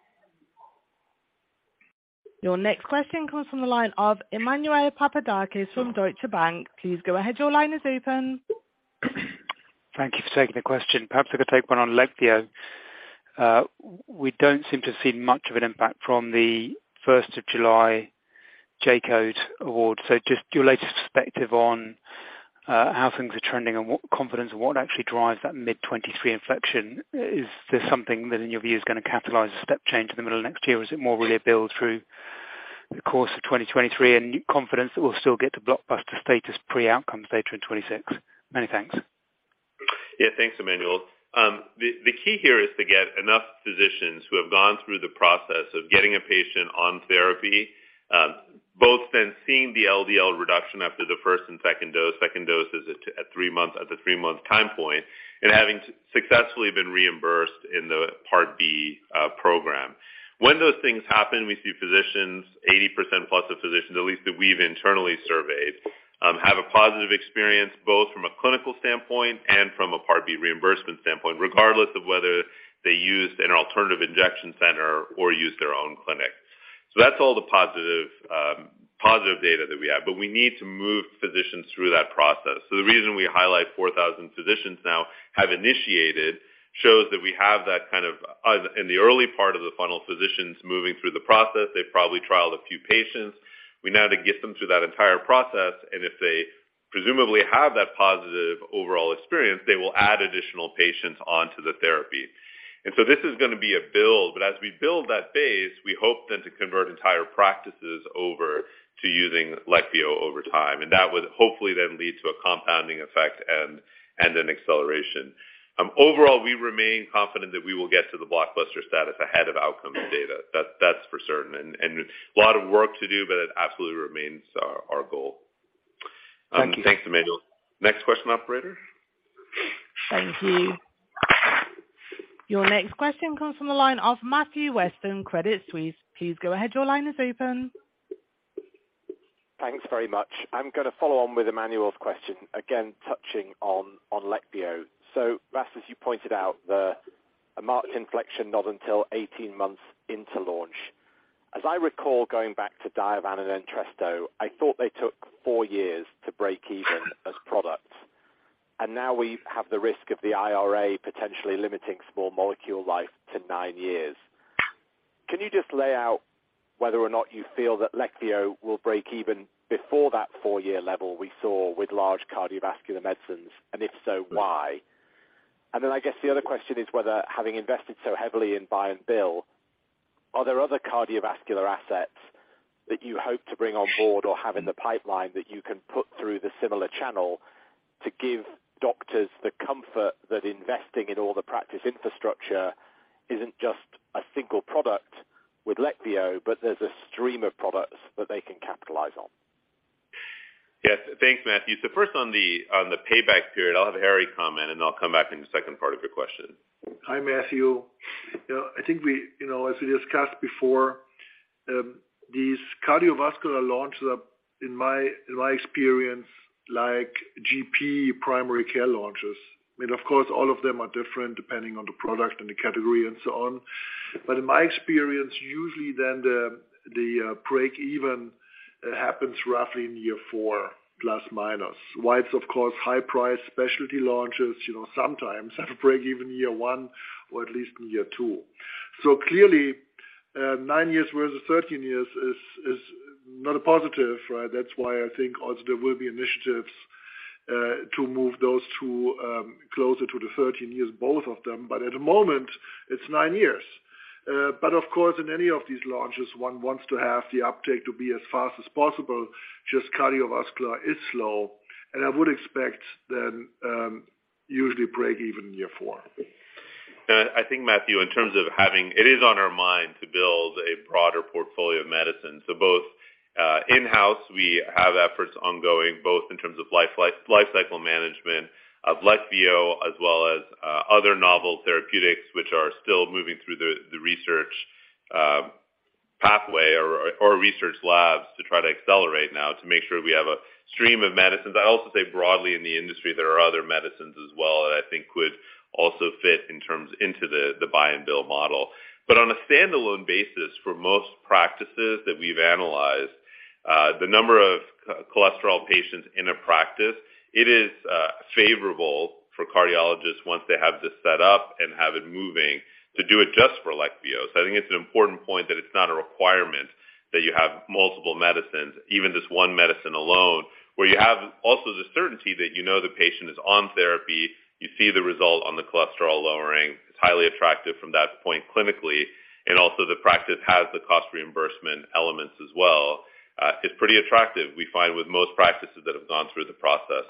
Your next question comes from the line of Emmanuel Papadakis from Deutsche Bank. Please go ahead. Your line is open. Thank you for taking the question. Perhaps I could take one on Leqvio. We don't seem to see much of an impact from the first of July J-code award. Just your latest perspective on how things are trending and what confidence and what actually drives that mid-2023 inflection. Is there something that in your view is gonna catalyze a step change in the middle of next year? Or is it more really a build through the course of 2023 and confidence that we'll still get to blockbuster status pre-outcomes data in 2026? Many thanks. Yeah. Thanks, Emmanuel. The key here is to get enough physicians who have gone through the process of getting a patient on therapy, both then seeing the LDL reduction after the first and second dose. Second dose is at the three-month time point, and having successfully been reimbursed in the Part D program. When those things happen, we see physicians, 80%+ of physicians at least that we've internally surveyed, have a positive experience, both from a clinical standpoint and from a Part D reimbursement standpoint, regardless of whether they used an alternative injection center or used their own clinic. That's all the positive data that we have. We need to move physicians through that process. The reason we highlight 4,000 physicians now have initiated shows that we have that kind of in the early part of the funnel, physicians moving through the process. They've probably trialed a few patients. We need to get them through that entire process, and if they presumably have that positive overall experience, they will add additional patients onto the therapy. This is gonna be a build, but as we build that base, we hope then to convert entire practices over to using Leqvio over time. That would hopefully then lead to a compounding effect and an acceleration. Overall, we remain confident that we will get to the blockbuster status ahead of outcome data. That's for certain. A lot of work to do, but it absolutely remains our goal. Thank you. Thanks, Emmanuel. Next question, operator. Thank you. Your next question comes from the line of Matthew Weston, Credit Suisse. Please go ahead. Your line is open. Thanks very much. I'm gonna follow on with Emmanuel's question, again touching on Leqvio. Ras, as you pointed out, the marked inflection not until 18 months into launch. As I recall, going back to Diovan and Entresto, I thought they took four years to break even as products. Now we have the risk of the IRA potentially limiting small molecule life to 9 years. Can you just lay out whether or not you feel that Leqvio will break even before that four-year level we saw with large cardiovascular medicines, and if so, why? I guess the other question is whether having invested so heavily in buy and bill, are there other cardiovascular assets that you hope to bring on board or have in the pipeline that you can put through the similar channel to give doctors the comfort that investing in all the practice infrastructure isn't just a single product with Leqvio, but there's a stream of products that they can capitalize on? Yes. Thanks, Matthew. First on the payback period, I'll have Harry comment, and I'll come back in the second part of your question. Hi, Matthew. You know, I think, you know, as we discussed before, these cardiovascular launches are, in my experience, like GP primary care launches. I mean, of course, all of them are different depending on the product and the category and so on. In my experience, usually then the break even happens roughly in year 4, plus minus. While, of course, high-price specialty launches, you know, sometimes have a break even year one or at least in year two. Clearly, 9 years versus 13 years is not a positive, right? That's why I think also there will be initiatives to move those two closer to the 13 years, both of them. At the moment, it's 9 years. Of course, in any of these launches, one wants to have the uptake to be as fast as possible. Just cardiovascular is slow, and I would expect then, usually break even year 4. I think Matthew, it is on our mind to build a broader portfolio of medicine. Both in-house, we have efforts ongoing, both in terms of life cycle management of Leqvio as well as other novel therapeutics, which are still moving through the research pathway or research labs to try to accelerate now to make sure we have a stream of medicines. I also say broadly in the industry, there are other medicines as well that I think would also fit in terms of the buy and bill model. On a standalone basis, for most practices that we've analyzed, the number of cholesterol patients in a practice, it is favorable for cardiologists once they have this set up and have it moving to do it just for Leqvio. I think it's an important point that it's not a requirement that you have multiple medicines, even just one medicine alone, where you have also the certainty that you know the patient is on therapy, you see the result on the cholesterol lowering. It's highly attractive from that point clinically, and also the practice has the cost reimbursement elements as well. It's pretty attractive, we find with most practices that have gone through the process.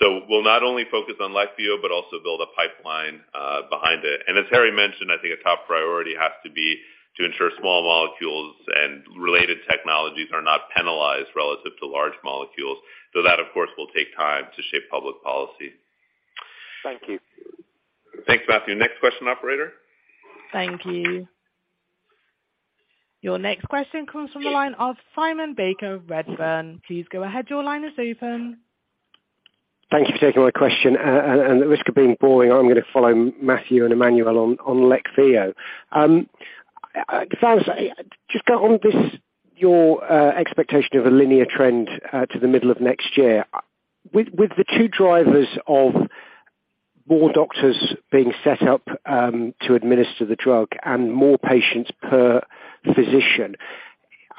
We'll not only focus on Leqvio, but also build a pipeline behind it. As Harry mentioned, I think a top priority has to be to ensure small molecules and related technologies are not penalized relative to large molecules. That, of course, will take time to shape public policy. Thank you. Thanks, Matthew. Next question, operator. Thank you. Your next question comes from the line of Simon Baker, Redburn. Please go ahead. Your line is open. Thank you for taking my question. At the risk of being boring, I'm going to follow Matthew and Emmanuel on Leqvio. If I was just on this, your expectation of a linear trend to the middle of next year. With the two drivers of more doctors being set up to administer the drug and more patients per physician,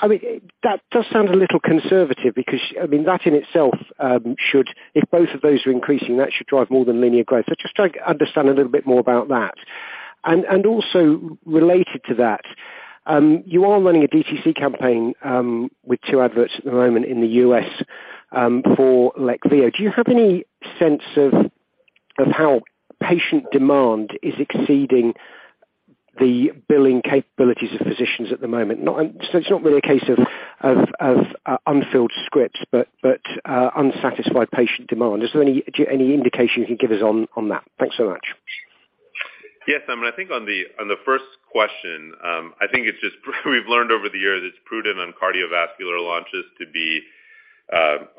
I mean, that does sound a little conservative because, I mean, that in itself should, if both of those are increasing, that should drive more than linear growth. I just try to understand a little bit more about that. Also related to that, you are running a DTC campaign with two adverts at the moment in the U.S. for Leqvio. Do you have any sense of how patient demand is exceeding the billing capabilities of physicians at the moment? It's not really a case of unfilled scripts, but unsatisfied patient demand. Is there any indication you can give us on that? Thanks so much. Yes, I mean, I think on the first question, I think it's just we've learned over the years it's prudent on cardiovascular launches to be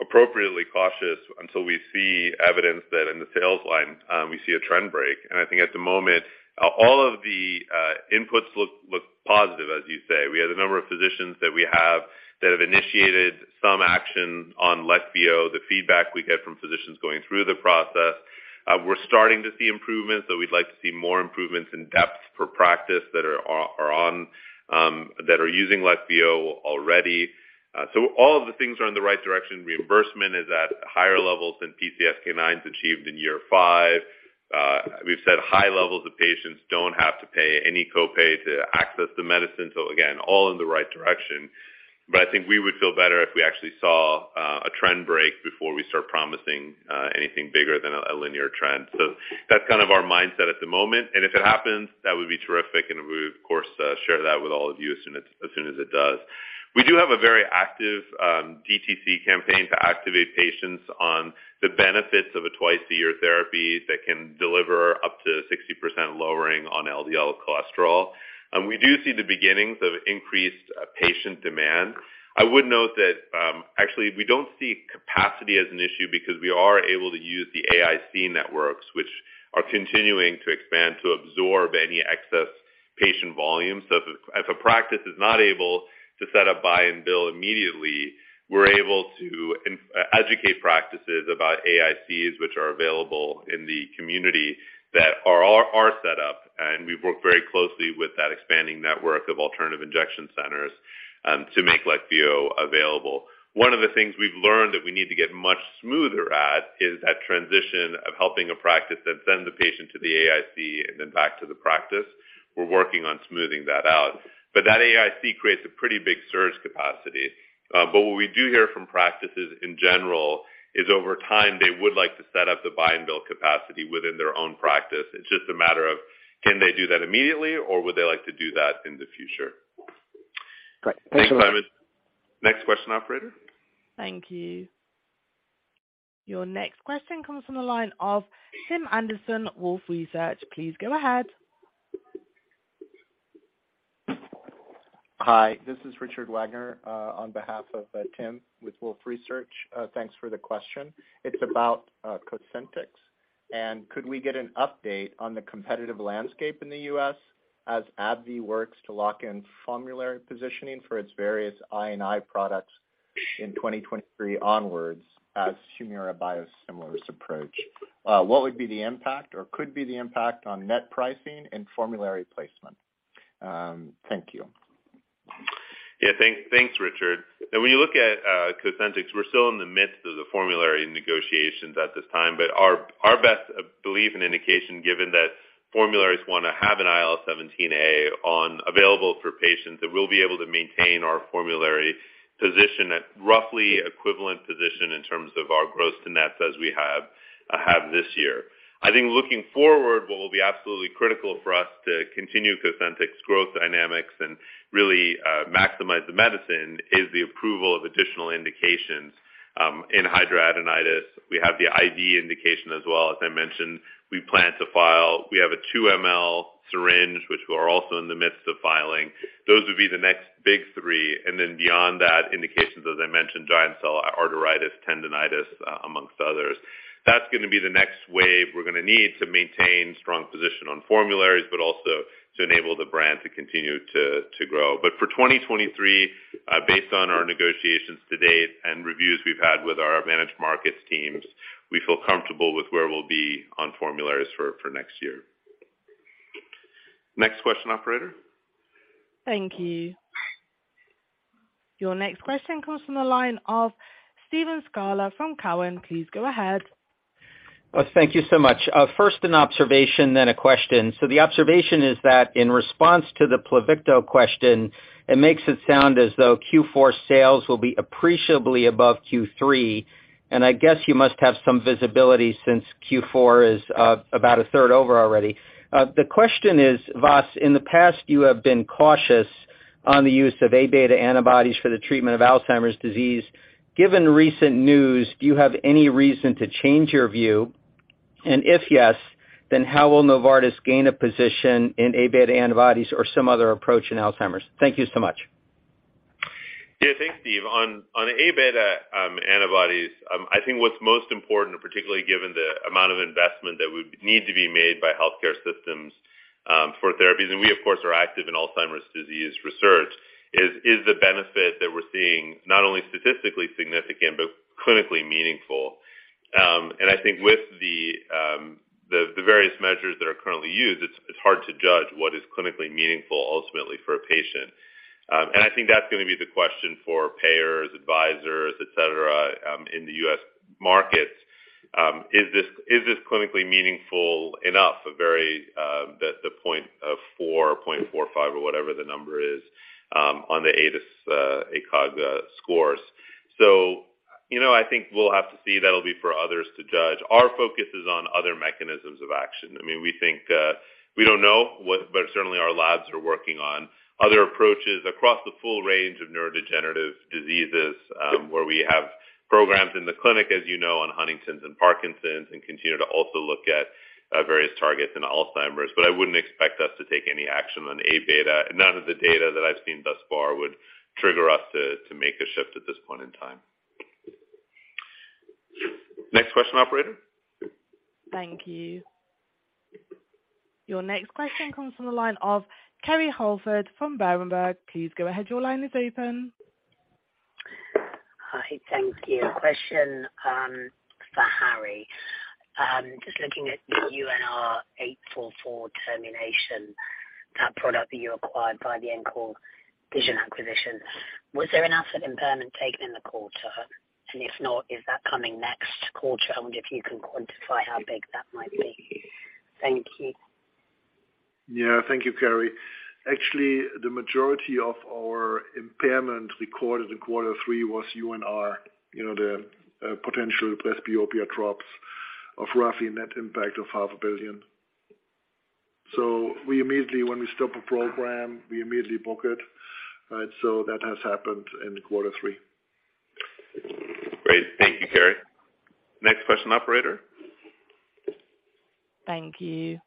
appropriately cautious until we see evidence that in the sales line we see a trend break. I think at the moment, all of the inputs look positive, as you say. We have the number of physicians that we have that have initiated some action on Leqvio, the feedback we get from physicians going through the process. We're starting to see improvements, so we'd like to see more improvements in-depth for practice that are using Leqvio already. All of the things are in the right direction. Reimbursement is at higher levels than PCSK9 has achieved in year five. We've said high levels of patients don't have to pay any copay to access the medicine. Again, all in the right direction. I think we would feel better if we actually saw a trend break before we start promising anything bigger than a linear trend. That's kind of our mindset at the moment. If it happens, that would be terrific, and we of course share that with all of you as soon as it does. We do have a very active DTC campaign to activate patients on the benefits of a twice-a-year therapy that can deliver up to 60% lowering on LDL cholesterol. We do see the beginnings of increased patient demand. I would note that, actually, we don't see capacity as an issue because we are able to use the AIC networks, which are continuing to expand to absorb any excess patient volume. If a practice is not able to set up buy and bill immediately, we're able to educate practices about AICs, which are available in the community that are set up. We've worked very closely with that expanding network of alternative injection centers to make Leqvio available. One of the things we've learned that we need to get much smoother at is that transition of helping a practice that sends a patient to the AIC and then back to the practice. We're working on smoothing that out. That AIC creates a pretty big surge capacity. what we do hear from practices in general is over time, they would like to set up the buy and bill capacity within their own practice. It's just a matter of can they do that immediately or would they like to do that in the future? Great. Thanks so much. Thanks, Simon. Next question, operator. Thank you. Your next question comes from the line of Tim Anderson, Wolfe Research. Please go ahead. Hi, this is Richard Wagner on behalf of Tim with Wolfe Research. Thanks for the question. It's about Cosentyx. Could we get an update on the competitive landscape in the US as AbbVie works to lock in formulary positioning for its various I and I products in 2023 onwards as Humira biosimilars approach? What would be the impact or could be the impact on net pricing and formulary placement? Thank you. Thanks, Richard. When you look at Cosentyx, we're still in the midst of the formulary negotiations at this time. Our best belief and indication given that formularies wanna have an IL-17A one available for patients, that we'll be able to maintain our formulary position at roughly equivalent position in terms of our gross to nets as we have this year. I think looking forward, what will be absolutely critical for us to continue Cosentyx growth dynamics and really maximize the medicine is the approval of additional indications in hidradenitis. We have the IV indication as well as I mentioned. We plan to file. We have a 2 ml syringe, which we are also in the midst of filing. Those would be the next big three. Then beyond that, indications, as I mentioned, giant cell arteritis, Enthesitis, amongst others. That's gonna be the next wave we're gonna need to maintain strong position on formularies, but also to enable the brand to continue to grow. For 2023, based on our negotiations to date and reviews we've had with our managed markets teams, we feel comfortable with where we'll be on formularies for next year. Next question, operator. Thank you. Your next question comes from the line of Steve Scala from Cowen. Please go ahead. Thank you so much. First an observation, then a question. The observation is that in response to the Pluvicto question, it makes it sound as though Q4 sales will be appreciably above Q3, and I guess you must have some visibility since Q4 is about a third over already. The question is, Vas, in the past, you have been cautious on the use of Aβ antibodies for the treatment of Alzheimer's disease. Given recent news, do you have any reason to change your view? And if yes, then how will Novartis gain a position in Aβ antibodies or some other approach in Alzheimer's? Thank you so much. Yeah. Thanks, Steve. On Aβ antibodies, I think what's most important, particularly given the amount of investment that would need to be made by healthcare systems for therapies, and we of course are active in Alzheimer's disease research, is the benefit that we're seeing not only statistically significant but clinically meaningful. I think with the various measures that are currently used, it's hard to judge what is clinically meaningful ultimately for a patient. I think that's gonna be the question for payers, advisors, et cetera, in the U.S. markets. Is this clinically meaningful enough, 0.4 or 0.45 or whatever the number is on the ADAS-Cog scores. You know, I think we'll have to see. That'll be for others to judge. Our focus is on other mechanisms of action. I mean, we think but certainly our labs are working on other approaches across the full range of neurodegenerative diseases, where we have programs in the clinic as you know on Huntington's and Parkinson's, and continue to also look at various targets in Alzheimer's. I wouldn't expect us to take any action on A-beta. None of the data that I've seen thus far would trigger us to make a shift at this point in time. Next question, operator. Thank you. Your next question comes from the line of Kerry Holford from Berenberg. Please go ahead. Your line is open. Hi. Thank you. Question for Harry. Just looking at the UNR844 termination, that product that you acquired by the Encore Vision acquisition. Was there an asset impairment taken in the quarter? If not, is that coming next quarter? I wonder if you can quantify how big that might be. Thank you. Yeah. Thank you, Kerry. Actually, the majority of our impairment recorded in quarter three was UNR. You know, the potential presbyopia drops of roughly net impact of $ half a billion. When we stop a program, we immediately book it, right? That has happened in quarter three. Great. Thank you, Kerry. Next question, operator. Thank you.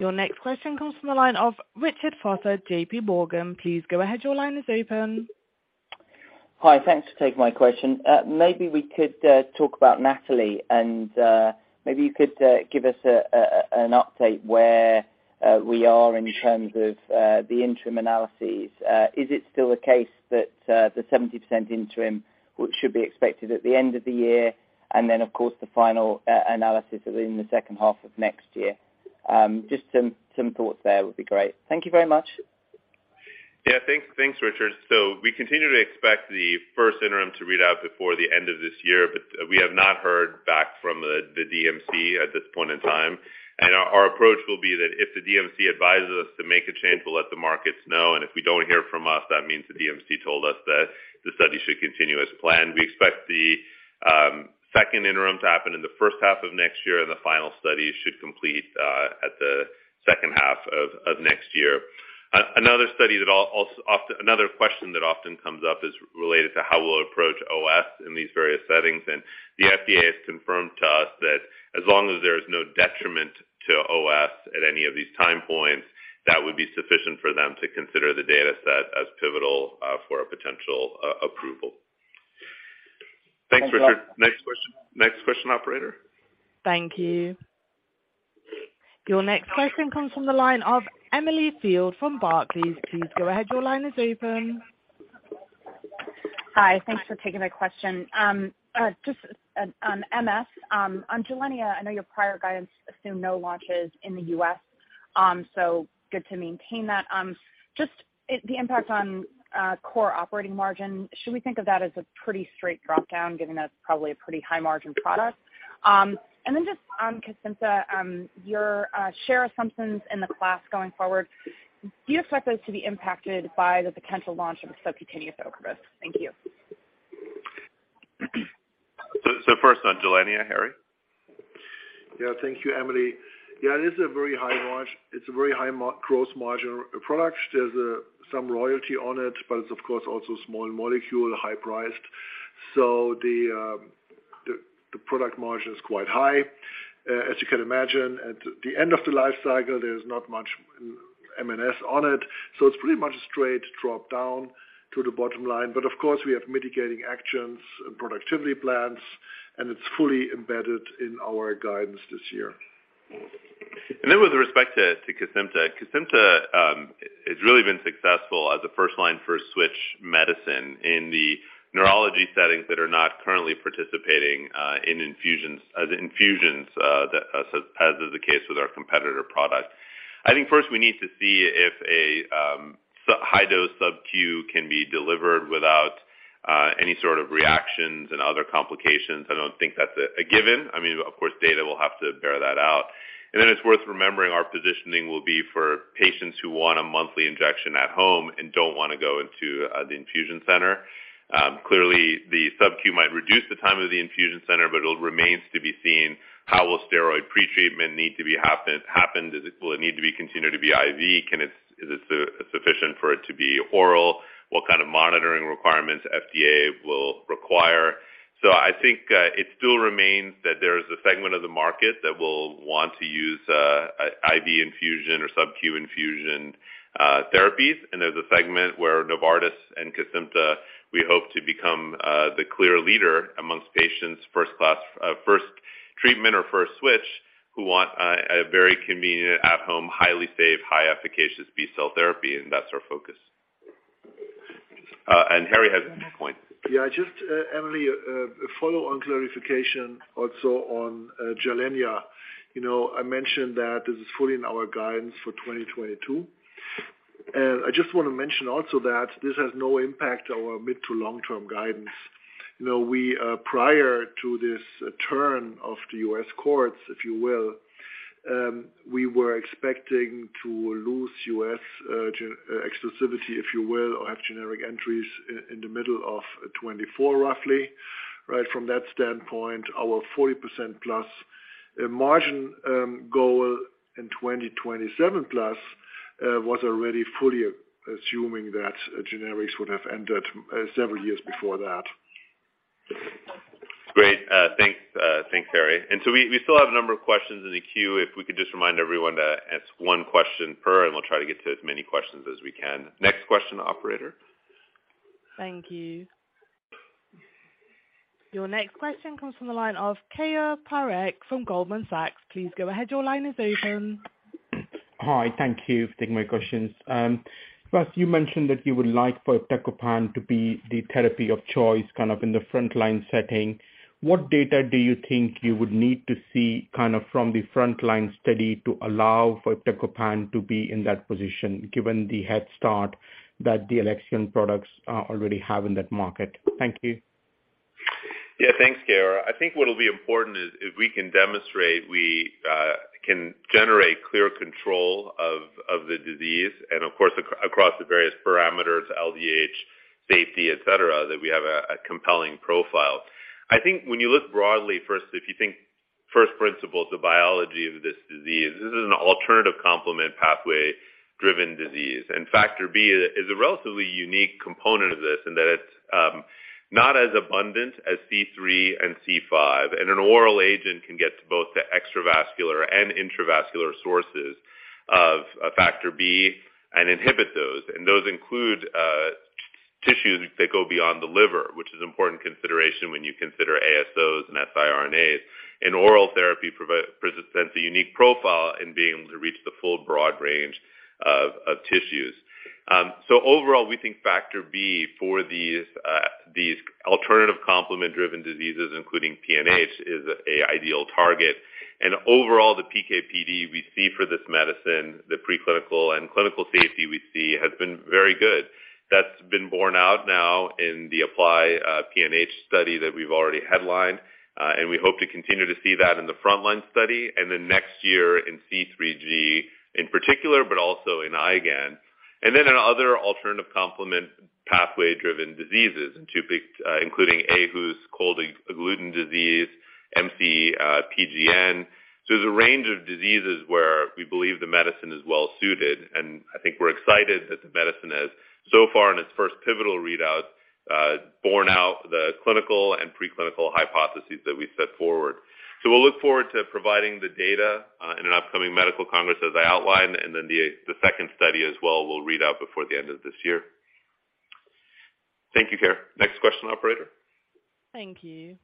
Your next question comes from the line of Richard Vosser, JMorgan. Please go ahead. Your line is open. Hi. Thanks for taking my question. Maybe we could talk about NATALEE and maybe you could give us an update where We are in terms of the interim analyses. Is it still the case that the 70% interim should be expected at the end of the year, and then, of course, the final analysis within the second half of next year? Just some thoughts there would be great. Thank you very much. Yeah, thanks, Richard. We continue to expect the first interim to read out before the end of this year, but we have not heard back from the DMC at this point in time. Our approach will be that if the DMC advises us to make a change, we'll let the markets know. If you don't hear from us, that means the DMC told us that the study should continue as planned. We expect the second interim to happen in the first half of next year, and the final study should complete at the second half of next year. Another question that often comes up is related to how we'll approach OS in these various settings. The FDA has confirmed to us that as long as there is no detriment to OS at any of these time points, that would be sufficient for them to consider the data set as pivotal for a potential approval. Thanks, Vas. Thanks, Richard. Next question, operator. Thank you. Your next question comes from the line of Emily Field from Barclays. Please go ahead. Your line is open. Hi. Thanks for taking my question. Just on MS, on Gilenya, I know your prior guidance assumed no launches in the U.S., so good to maintain that. Just the impact on core operating margin, should we think of that as a pretty straight dropdown, given that it's probably a pretty high margin product? Just on Kesimpta, your share assumptions in the class going forward, do you expect those to be impacted by the potential launch of the subcutaneous Ocrevus? Thank you. First on Gilenya, Harry. Yeah. Thank you, Emily. Yeah, it is a very high gross margin product. There's some royalty on it, but it's, of course, also small molecule, high-priced. So the product margin is quite high. As you can imagine, at the end of the life cycle, there's not much M&S on it, so it's pretty much a straight dropdown to the bottom line. Of course, we have mitigating actions and productivity plans, and it's fully embedded in our guidance this year. With respect to Kesimpta. Kesimpta has really been successful as a first-line first switch medicine in the neurology settings that are not currently participating in infusions, the infusions that as is the case with our competitor product. I think first we need to see if a high-dose sub-Q can be delivered without any sort of reactions and other complications. I don't think that's a given. I mean, of course, data will have to bear that out. It's worth remembering our positioning will be for patients who want a monthly injection at home and don't wanna go into the infusion center. Clearly, the sub-Q might reduce the time of the infusion center, but it'll remains to be seen how will steroid pretreatment need to be happened. Will it need to be continued to be IV? Is it sufficient for it to be oral? What kind of monitoring requirements FDA will require. I think it still remains that there is a segment of the market that will want to use IV infusion or sub-Q infusion therapies. There's a segment where Novartis and Kesimpta, we hope to become the clear leader amongst patients first treatment or first switch, who want a very convenient at home, highly safe, high efficacious B-cell therapy, and that's our focus. Harry has a point. Yeah, just, Emily, a follow-on clarification also on Gilenya. You know, I mentioned that this is fully in our guidance for 2022. I just wanna mention also that this has no impact on our mid to long-term guidance. You know, we, prior to this turn of the U.S. courts, if you will, we were expecting to lose U.S. exclusivity, if you will, or have generic entries in the middle of 2024, roughly. Right? From that standpoint, our 40%+ margin goal in 2027+ was already fully assuming that generics would have entered several years before that. Great. Thanks, Harry. We still have a number of questions in the queue. If we could just remind everyone to ask one question per, and we'll try to get to as many questions as we can. Next question, operator. Thank you. Your next question comes from the line of Keyur Parekh from Goldman Sachs. Please go ahead. Your line is open. Hi. Thank you for taking my questions. First, you mentioned that you would like for Iptacopan to be the therapy of choice kind of in the frontline setting. What data do you think you would need to see kind of from the frontline study to allow forI ptacopan to be in that position, given the head start that the Alexion products already have in that market? Thank you. Yeah. Thanks, Keyur. I think what will be important is if we can demonstrate we can generate clear control of the disease, and of course, across the various parameters, LDH, safety, et cetera, that we have a compelling profile. I think when you look broadly first, if you think first principle is the biology of this disease, this is an alternative complement pathway-driven disease. Factor B is a relatively unique component of this in that it's not as abundant as C3 and C5, and an oral agent can get to both the extravascular and intravascular sources of factor B and inhibit those. Those include tissues that go beyond the liver, which is important consideration when you consider ASOs and siRNAs. Oral therapy presents a unique profile in being able to reach the full broad range of tissues. Overall, we think Factor B for these alternative complement-driven diseases, including PNH, is an ideal target. Overall, the PK/PD we see for this medicine, the pre-clinical and clinical safety we see has been very good. That's been borne out now in the APPLY-PNH study that we've already headlined. We hope to continue to see that in the frontline study and then next year in C3G, in particular, but also in IgAN. Then in other alternative complement pathway-driven diseases, including aHUS, cold agglutinin disease, MPGN. There's a range of diseases where we believe the medicine is well suited, and I think we're excited that the medicine has so far in its first pivotal readout borne out the clinical and pre-clinical hypotheses that we set forward. We'll look forward to providing the data in an upcoming medical congress, as I outlined, and then the second study as well will read out before the end of this year. Thank you, Keyur Parekh. Next question, operator. Thank you.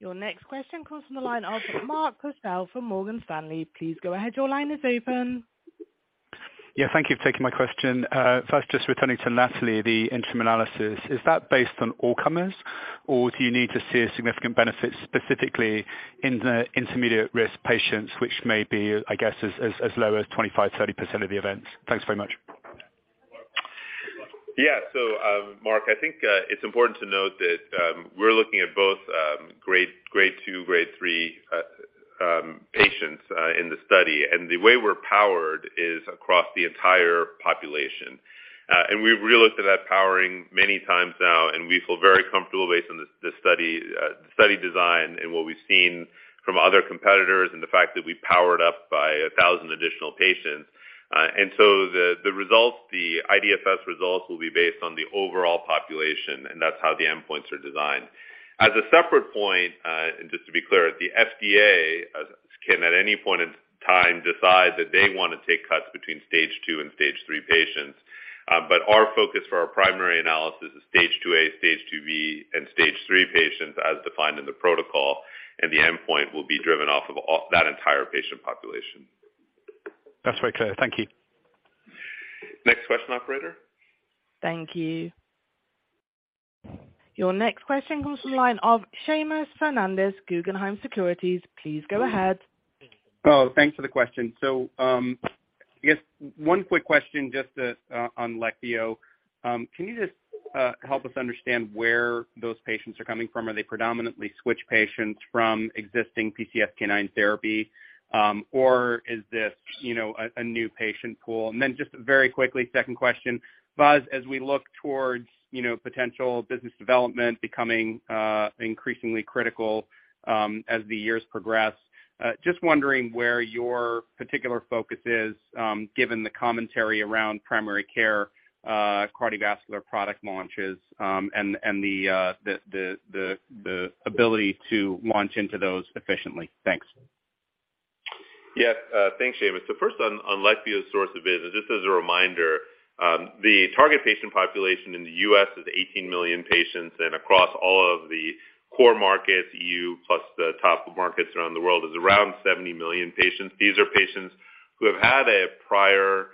Your next question comes from the line of Mark Purcell from Morgan Stanley. Please go ahead. Your line is open. Yeah, thank you for taking my question. First, just returning to NATALEE, the interim analysis, is that based on all comers, or do you need to see a significant benefit specifically in the intermediate risk patients, which may be, I guess, as low as 25%-30% of the events? Thanks very much. Yeah. Mark, I think it's important to note that we're looking at both grade two, grade three patients in the study. The way we're powered is across the entire population. We've relooked at that powering many times now, and we feel very comfortable based on this study, the study design and what we've seen from other competitors and the fact that we powered up by 1,000 additional patients. The results, the IDFS results will be based on the overall population, and that's how the endpoints are designed. As a separate point, just to be clear, the FDA can, at any point in time, decide that they wanna take cuts between stage two and stage three patients. Our focus for our primary analysis is stage 2A, stage 2B, and stage 3 patients as defined in the protocol, and the endpoint will be driven off of that entire patient population. That's very clear. Thank you. Next question, operator. Thank you. Your next question comes from the line of Seamus Fernandez, Guggenheim Securities. Please go ahead. Oh, thanks for the question. I guess one quick question just on Leqvio. Can you just help us understand where those patients are coming from? Are they predominantly switch patients from existing PCSK9 therapy, or is this, you know, a new patient pool? And then just very quickly, second question. Vas, as we look towards, you know, potential business development becoming increasingly critical, as the years progress, just wondering where your particular focus is, given the commentary around primary care, cardiovascular product launches, and the ability to launch into those efficiently. Thanks. Yes. Thanks, Seamus. First on Leqvio source of business, just as a reminder, the target patient population in the U.S. is 18 million patients, and across all of the core markets, EU plus the top markets around the world, is around 70 million patients. These are patients who have had a prior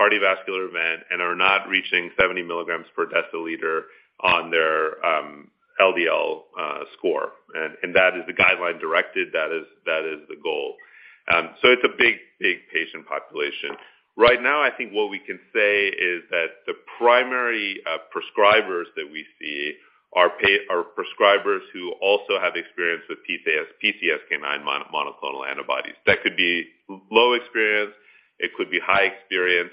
cardiovascular event and are not reaching 70 milligrams per deciliter on their LDL score. That is the guideline directed. That is the goal. It's a big patient population. Right now, I think what we can say is that the primary prescribers that we see are prescribers who also have experience with PCSK9 monoclonal antibodies. That could be low experience, it could be high experience.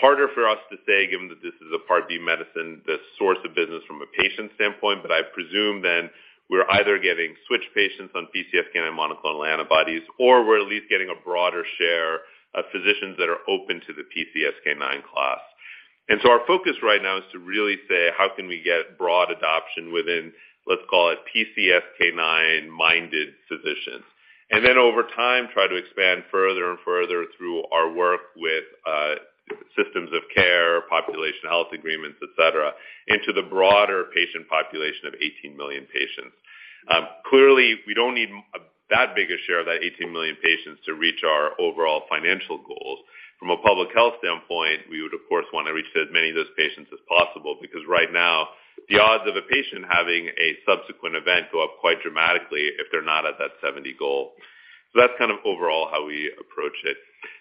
Harder for us to say, given that this is a Part D medicine, the source of business from a patient standpoint, but I presume then we're either getting switch patients on PCSK9 monoclonal antibodies, or we're at least getting a broader share of physicians that are open to the PCSK9 class. Our focus right now is to really say, how can we get broad adoption within, let's call it PCSK9-minded physicians? Then over time, try to expand further and further through our work with, systems of care, population health agreements, et cetera, into the broader patient population of 18 million patients. Clearly, we don't need that big a share of that 18 million patients to reach our overall financial goals. From a public health standpoint, we would of course wanna reach as many of those patients as possible because right now the odds of a patient having a subsequent event go up quite dramatically if they're not at that 70 goal. That's kind of overall how we approach it.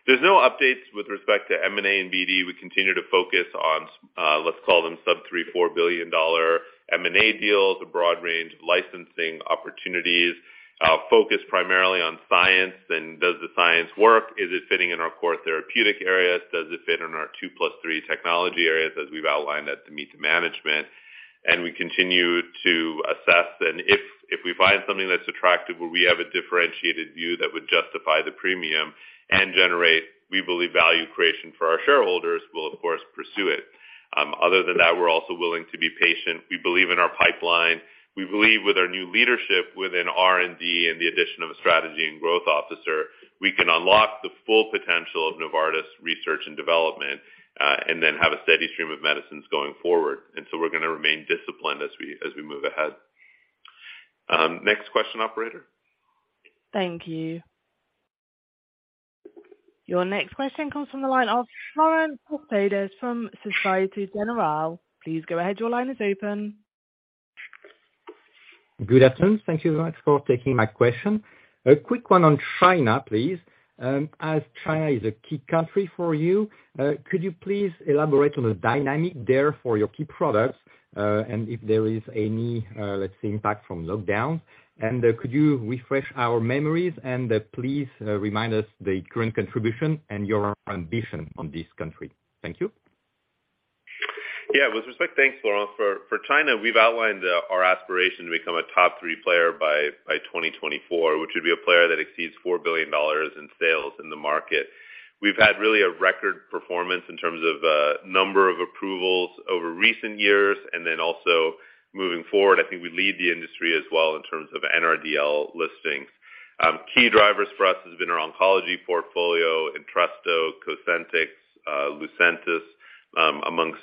There's no updates with respect to M&A and BD. We continue to focus on let's call them sub-$3 billion-$4 billion-dollar M&A deals, a broad range of licensing opportunities, focused primarily on science and does the science work? Is it fitting in our core therapeutic areas? Does it fit in our 2+3 technology areas, as we've outlined at the management meeting? We continue to assess. If we find something that's attractive where we have a differentiated view that would justify the premium and generate, we believe, value creation for our shareholders, we'll of course pursue it. Other than that, we're also willing to be patient. We believe in our pipeline. We believe with our new leadership within R&D and the addition of a strategy and growth officer, we can unlock the full potential of Novartis research and development, and then have a steady stream of medicines going forward. We're gonna remain disciplined as we move ahead. Next question, operator. Thank you. Your next question comes from the line of Florent Cespedes from Société Générale. Please go ahead. Your line is open. Good afternoon. Thank you very much for taking my question. A quick one on China, please. As China is a key country for you, could you please elaborate on the dynamic there for your key products? If there is any, let's say, impact from lockdown. Could you refresh our memories and please remind us the current contribution and your ambition on this country. Thank you. Thanks, Florent. For China, we've outlined our aspiration to become a top three player by 2024, which would be a player that exceeds $4 billion in sales in the market. We've had really a record performance in terms of number of approvals over recent years, and then also moving forward, I think we lead the industry as well in terms of NRDL listings. Key drivers for us has been our oncology portfolio, Entresto, Cosentyx, Lucentis, among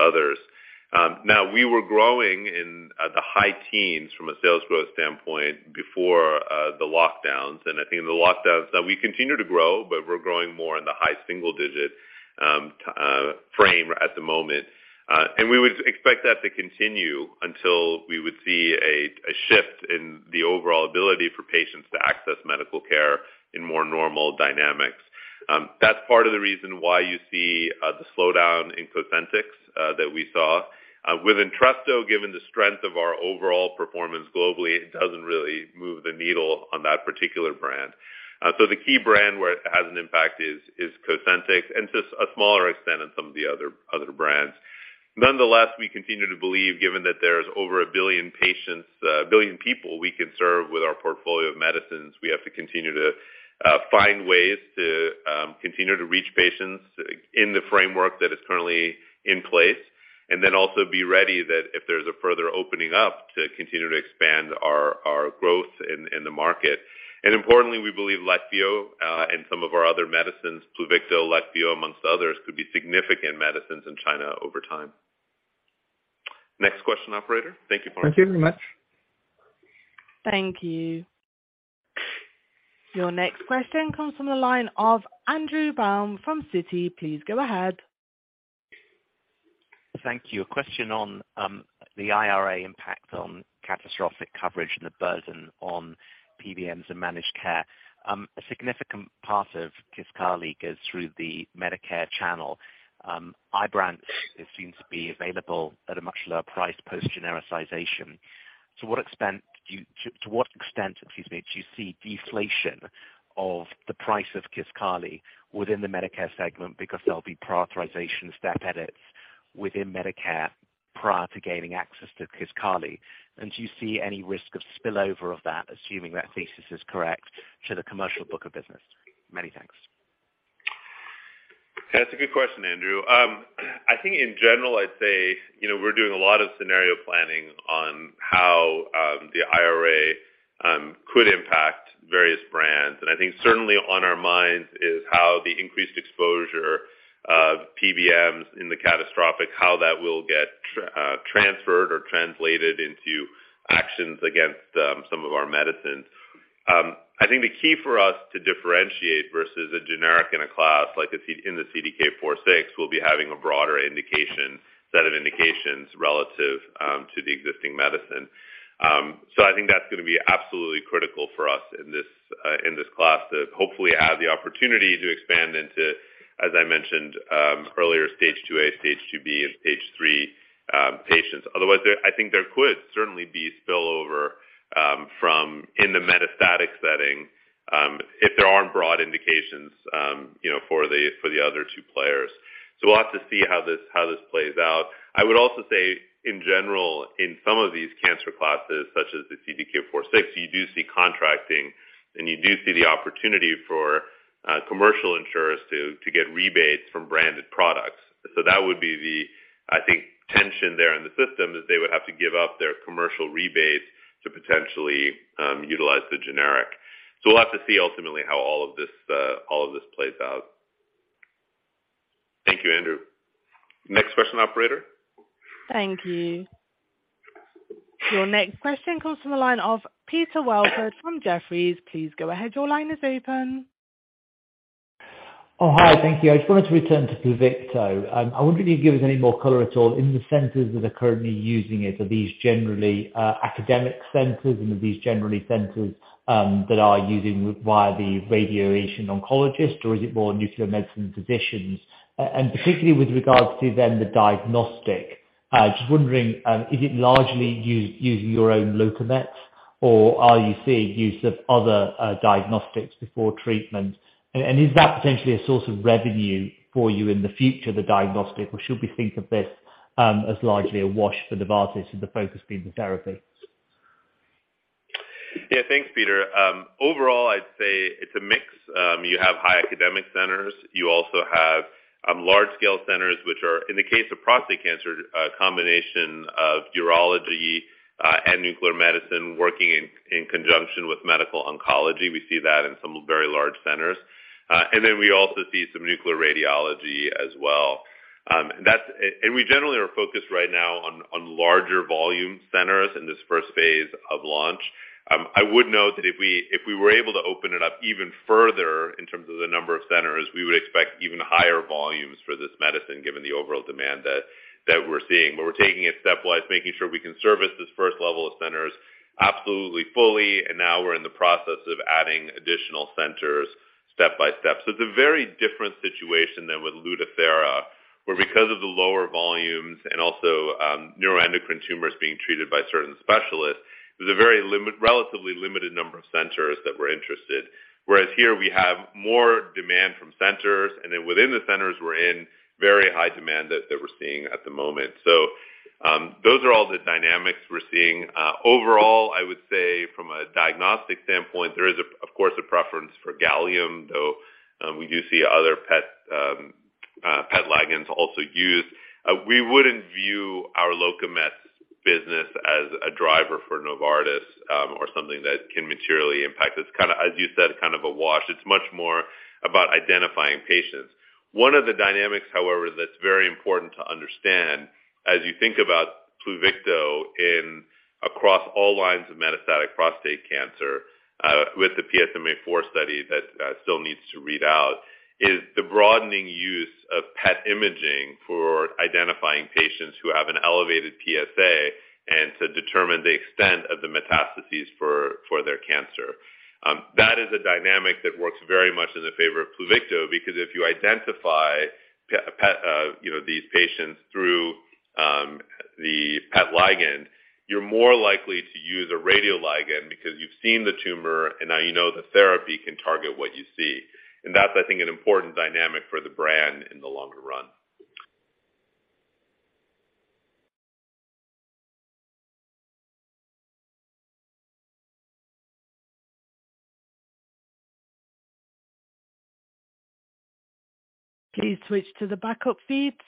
others. Now, we were growing in the high teens% from a sales growth standpoint before the lockdowns. I think the lockdowns that we continue to grow, but we're growing more in the high single digit% range at the moment. We would expect that to continue until we would see a shift in the overall ability for patients to access medical care in more normal dynamics. That's part of the reason why you see the slowdown in Cosentyx that we saw. With Entresto, given the strength of our overall performance globally, it doesn't really move the needle on that particular brand. The key brand where it has an impact is Cosentyx and to a smaller extent in some of the other brands. Nonetheless, we continue to believe, given that there's over 1 billion patients, 1 billion people we can serve with our portfolio of medicines, we have to continue to find ways to continue to reach patients in the framework that is currently in place, and then also be ready that if there's a further opening up, to continue to expand our growth in the market. Importantly, we believe Alexion and some of our other medicines, Pluvicto, Alexion, amongst others, could be significant medicines in China over time. Next question, operator. Thank you, Florent. Thank you very much. Thank you. Your next question comes from the line of Andrew Baum from Citi. Please go ahead. Thank you. A question on the IRA impact on catastrophic coverage and the burden on PBMs and managed care. A significant part of Kisqali goes through the Medicare channel. Ibrance, it seems to be available at a much lower price post-genericization. To what extent, excuse me, do you see deflation of the price of Kisqali within the Medicare segment because there'll be prioritization step edits within Medicare prior to gaining access to Kisqali? And do you see any risk of spillover of that, assuming that thesis is correct, to the commercial book of business? Many thanks. That's a good question, Andrew. I think in general, I'd say, you know, we're doing a lot of scenario planning on how the IRA could impact various brands. I think certainly on our minds is how the increased exposure of PBMs in the catastrophic, how that will get transferred or translated into actions against some of our medicines. I think the key for us to differentiate versus a generic in a class like in the CDK4/6, we'll be having a broader set of indications relative to the existing medicine. I think that's gonna be absolutely critical for us in this class to hopefully have the opportunity to expand into, as I mentioned, earlier, stage 2A, stage 2B, and stage 3 patients. Otherwise, I think there could certainly be spillover from the metastatic setting if there aren't broad indications, you know, for the other two players. So we'll have to see how this plays out. I would also say in general, in some of these cancer classes, such as the CDK4/6, you do see contracting and you do see the opportunity for commercial insurers to get rebates from branded products. So that would be the tension there in the system, is they would have to give up their commercial rebates to potentially utilize the generic. So we'll have to see ultimately how all of this plays out. Thank you, Andrew. Next question, operator. Thank you. Your next question comes from the line of Peter Welford from Jefferies. Please go ahead. Your line is open. Hi. Thank you. I just wanted to return to Pluvicto. I wonder if you'd give us any more color at all in the centers that are currently using it. Are these generally academic centers? Are these generally centers that are using via the radiation oncologist, or is it more nuclear medicine physicians? Particularly with regards to then the diagnostic, just wondering, is it largely using your own Locametz, or are you seeing use of other diagnostics before treatment? Is that potentially a source of revenue for you in the future, the diagnostic, or should we think of this as largely a wash for Novartis and the focus being the therapy? Yeah. Thanks, Peter. Overall, I'd say it's a mix. You have high academic centers. You also have large scale centers, which are, in the case of prostate cancer, a combination of urology and nuclear medicine working in conjunction with medical oncology. We see that in some very large centers. And then we also see some nuclear radiology as well. And we generally are focused right now on larger volume centers in this first phase of launch. I would note that if we were able to open it up even further in terms of the number of centers, we would expect even higher volumes for this medicine, given the overall demand that we're seeing. We're taking it stepwise, making sure we can service this first level of centers absolutely fully, and now we're in the process of adding additional centers step-by-step. It's a very different situation than with Lutathera, where because of the lower volumes and also, neuroendocrine tumors being treated by certain specialists, there's a relatively limited number of centers that were interested. Whereas here we have more demand from centers, and then within the centers we're in, very high demand that we're seeing at the moment. Those are all the dynamics we're seeing. Overall, I would say from a diagnostic standpoint, there is of course a preference for Gallium-68, though we do see other PET ligands also used. We wouldn't view our Locametz business as a driver for Novartis or something that can materially impact. It's kinda, as you said, kind of a wash. It's much more about identifying patients. One of the dynamics, however, that's very important to understand as you think about Pluvicto in across all lines of metastatic prostate cancer, with the PSMAfore study that still needs to read out, is the broadening use of PET imaging for identifying patients who have an elevated PSA and to determine the extent of the metastases for their cancer. That is a dynamic that works very much in the favor of Pluvicto, because if you identify PET, you know, these patients through the PET ligand, you're more likely to use a radioligand because you've seen the tumor and now you know the therapy can target what you see. That's, I think, an important dynamic for the brand in the longer run. Please switch to the backup feeds.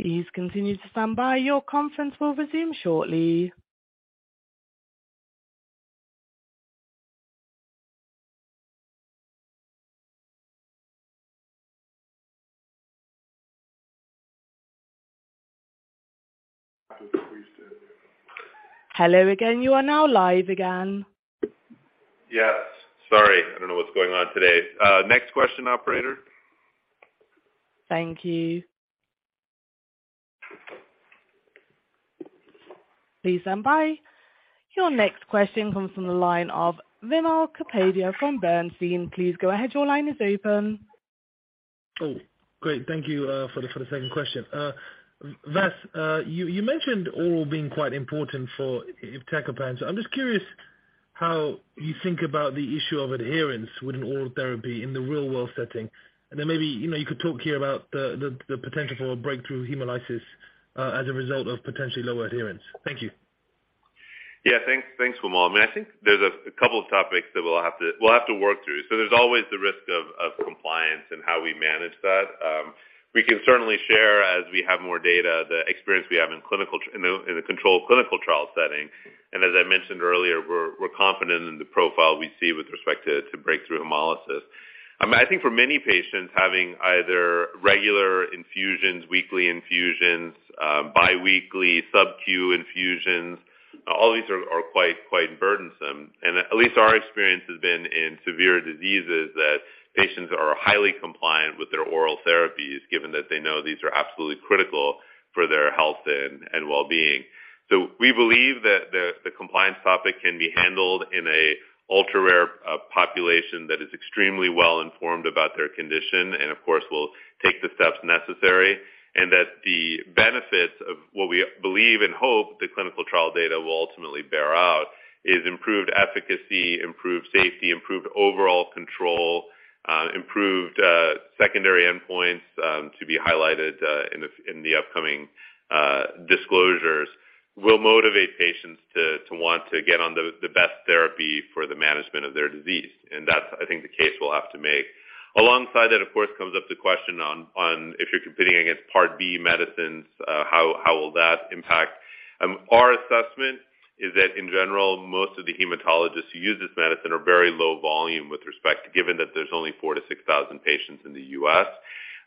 Please continue to stand by. Your conference will resume shortly. Hello again. You are now live again. Yes. Sorry. I don't know what's going on today. Next question, operator. Thank you. Please stand by. Your next question comes from the line of Wimal Kapadia from Bernstein. Please go ahead. Your line is open. Oh, great. Thank you for the second question. Vas, you mentioned oral being quite important for Iptacopan. I'm just curious how you think about the issue of adherence with an oral therapy in the real world setting. Then maybe, you know, you could talk here about the potential for breakthrough hemolysis as a result of potentially low adherence. Thank you. Thanks, Vimal. I mean, I think there's a couple of topics that we'll have to work through. There's always the risk of compliance and how we manage that. We can certainly share as we have more data, the experience we have in the controlled clinical trial setting. As I mentioned earlier, we're confident in the profile we see with respect to breakthrough hemolysis. I think for many patients, having either regular infusions, weekly infusions, bi-weekly sub-Q infusions, all these are quite burdensome. At least our experience has been in severe diseases that patients are highly compliant with their oral therapies, given that they know these are absolutely critical for their health and well-being. We believe that the compliance topic can be handled in a ultra-rare population that is extremely well informed about their condition, and of course, will take the steps necessary, and that the benefits of what we believe and hope the clinical trial data will ultimately bear out is improved efficacy, improved safety, improved overall control, improved secondary endpoints to be highlighted in the upcoming disclosures, will motivate patients to want to get on the best therapy for the management of their disease. That's, I think, the case we'll have to make. Alongside that, of course, comes up the question on if you're competing against Part D medicines, how will that impact? Our assessment is that in general, most of the hematologists who use this medicine are very low volume with respect, given that there's only 4,000-6,000 patients in the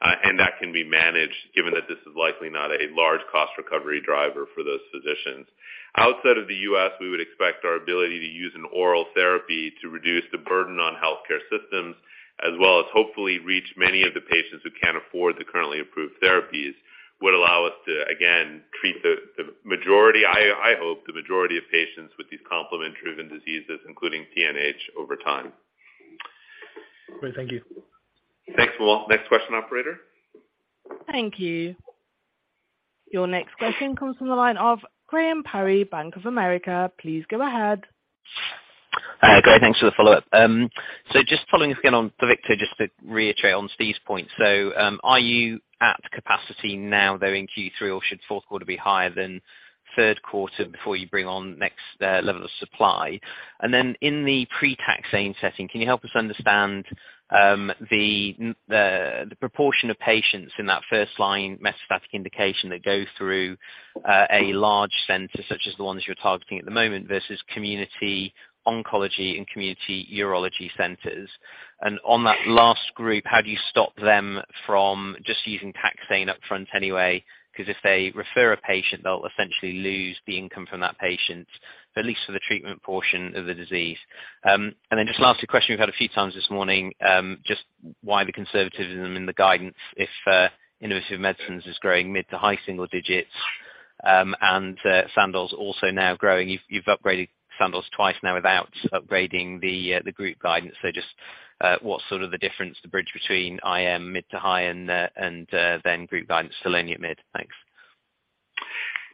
U.S. That can be managed given that this is likely not a large cost recovery driver for those physicians. Outside of the U.S., we would expect our ability to use an oral therapy to reduce the burden on healthcare systems, as well as hopefully reach many of the patients who can't afford the currently approved therapies, would allow us to again, treat the majority, I hope the majority of patients with these complement driven diseases, including PNH over time. Great. Thank you. Thanks, Vimal. Next question, operator. Thank you. Your next question comes from the line of Graham Parry, Bank of America. Please go ahead. Great. Thanks for the follow-up. Just following again on Pluvicto, just to reiterate on Steve's point. Are you at capacity now though in Q3, or should fourth quarter be higher than third quarter before you bring on next level of supply? And then in the pre-taxane setting, can you help us understand the proportion of patients in that first line metastatic indication that go through a large center such as the ones you're targeting at the moment versus community oncology and community urology centers? And on that last group, how do you stop them from just using taxane upfront anyway? 'Cause if they refer a patient, they'll essentially lose the income from that patient, at least for the treatment portion of the disease. Just last question we've had a few times this morning, just why the conservatism in the guidance if Innovative Medicines is growing mid- to high-single digits, and Sandoz also now growing. You've upgraded Sandoz twice now without upgrading the group guidance. What's sort of the difference, the bridge between IM mid- to high and then group guidance still only at mid? Thanks.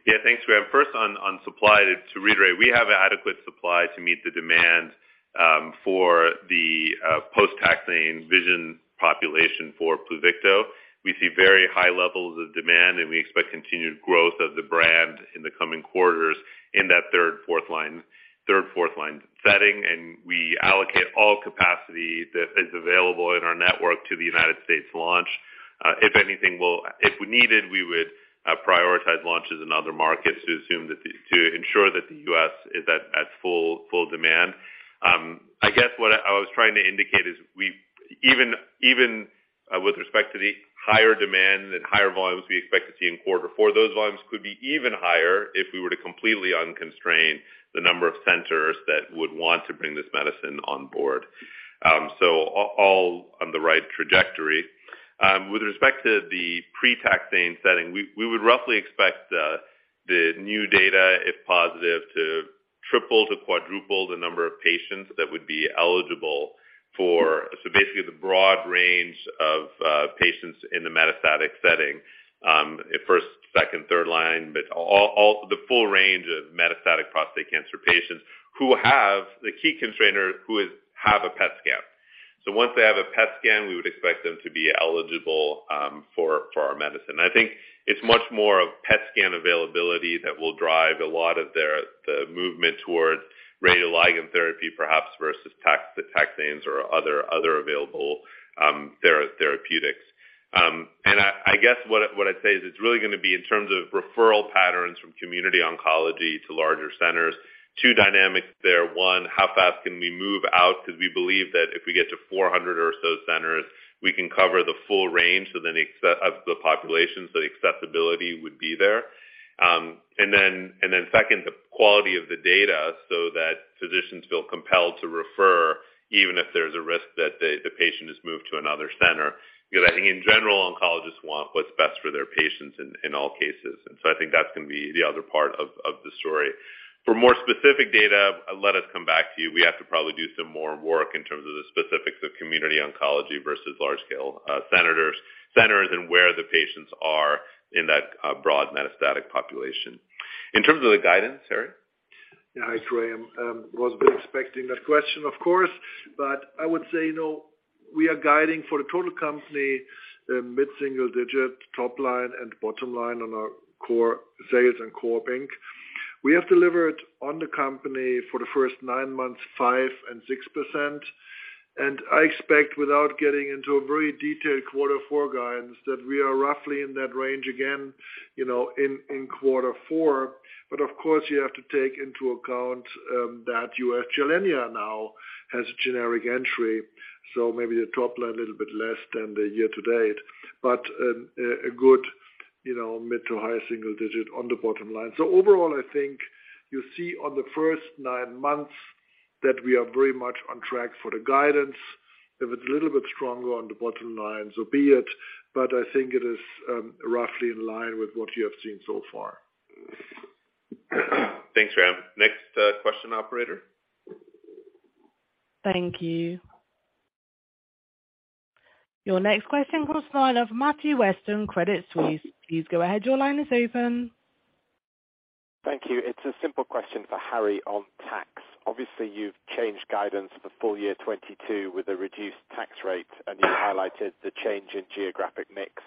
Yeah. Thanks, Graham. First on supply, to reiterate, we have adequate supply to meet the demand for the post-taxane patient population for Pluvicto. We see very high levels of demand, and we expect continued growth of the brand in the coming quarters in that third- and fourth-line setting, and we allocate all capacity that is available in our network to the United States launch. If we needed, we would prioritize launches in other markets to ensure that the U.S. is at full demand. I guess what I was trying to indicate is with respect to the higher demand and higher volumes we expect to see in quarter four, those volumes could be even higher if we were to completely unconstrain the number of centers that would want to bring this medicine on board. All on the right trajectory. With respect to the pre-taxane setting, we would roughly expect the new data, if positive, to triple to quadruple the number of patients that would be eligible for the broad range of patients in the metastatic setting at first, second, third line, but all the full range of metastatic prostate cancer patients who have the key constraint, which is to have a PET scan. Once they have a PET scan, we would expect them to be eligible for our medicine. I think it's much more of PET scan availability that will drive a lot of the movement towards radioligand therapy, perhaps versus taxanes or other available therapeutics. I guess what I'd say is it's really gonna be in terms of referral patterns from community oncology to larger centers. Two dynamics there. One, how fast can we move out? 'Cause we believe that if we get to 400 or so centers, we can cover the full range so then access of the population, so accessibility would be there. And then second, the quality of the data so that physicians feel compelled to refer even if there's a risk that the patient is moved to another center. Because I think in general, oncologists want what's best for their patients in all cases. I think that's gonna be the other part of the story. For more specific data, let us come back to you. We have to probably do some more work in terms of the specifics of community oncology versus large-scale academic centers and where the patients are in that broad metastatic population. In terms of the guidance, Harry. Yeah. Hi, Graham. Was expecting that question of course, but I would say, you know, we are guiding for the total company, mid-single-digit top line and bottom line on our core sales and core margin. We have delivered for the company for the first nine months, 5% and 6%, and I expect, without getting into a very detailed quarter four guidance, that we are roughly in that range again, you know, in quarter four. Of course, you have to take into account that U.S. Gilenya now has generic entry, so maybe the top line a little bit less than the year-to-date. A good, you know, mid- to high-single-digit on the bottom line. Overall, I think you see on the first nine months that we are very much on track for the guidance. If it's a little bit stronger on the bottom line, so be it, but I think it is roughly in line with what you have seen so far. Thanks, Graham. Next, question, operator. Thank you. Your next question comes from the line of Matthew Weston, Credit Suisse. Please go ahead. Your line is open. Thank you. It's a simple question for Harry on tax. Obviously, you've changed guidance for full year 2022 with a reduced tax rate, and you highlighted the change in geographic mix.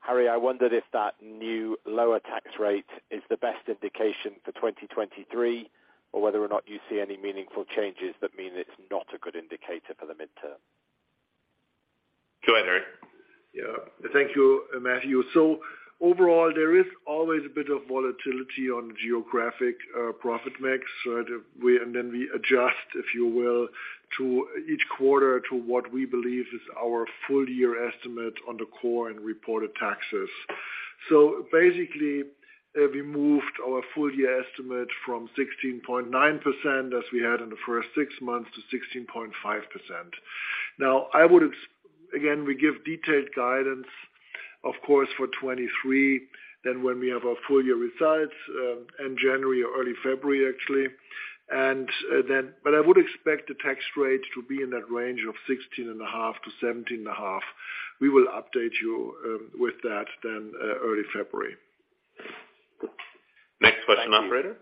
Harry, I wondered if that new lower tax rate is the best indication for 2023, or whether or not you see any meaningful changes that mean it's not a good indicator for the midterm? Go ahead, Harry. Thank you, Matthew. Overall, there is always a bit of volatility on geographic profit mix, right? We adjust, if you will, to each quarter to what we believe is our full year estimate on the core and reported taxes. Basically, we moved our full year estimate from 16.9%, as we had in the first six months, to 16.5%. Now, again, we give detailed guidance, of course, for 2023 rather than when we have our full year results in January or early February, actually. But I would expect the tax rate to be in that range of 16.5%-17.5%. We will update you with that then, early February. Next question, operator.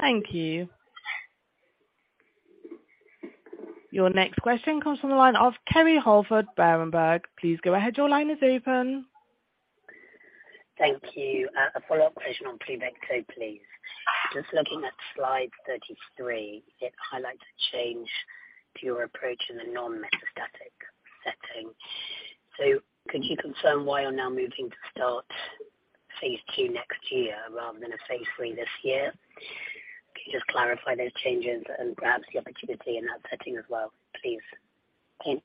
Thank you. Your next question comes from the line of Kerry Holford, Berenberg. Please go ahead. Your line is open. Thank you. A follow-up question on Pluvicto, please. Just looking at slide 33, it highlights a change to your approach in the non-metastatic setting. Could you confirm why you're now moving to start phase II next year rather than a phase III this year? Can you just clarify those changes and perhaps the opportunity in that setting as well, please? Thanks.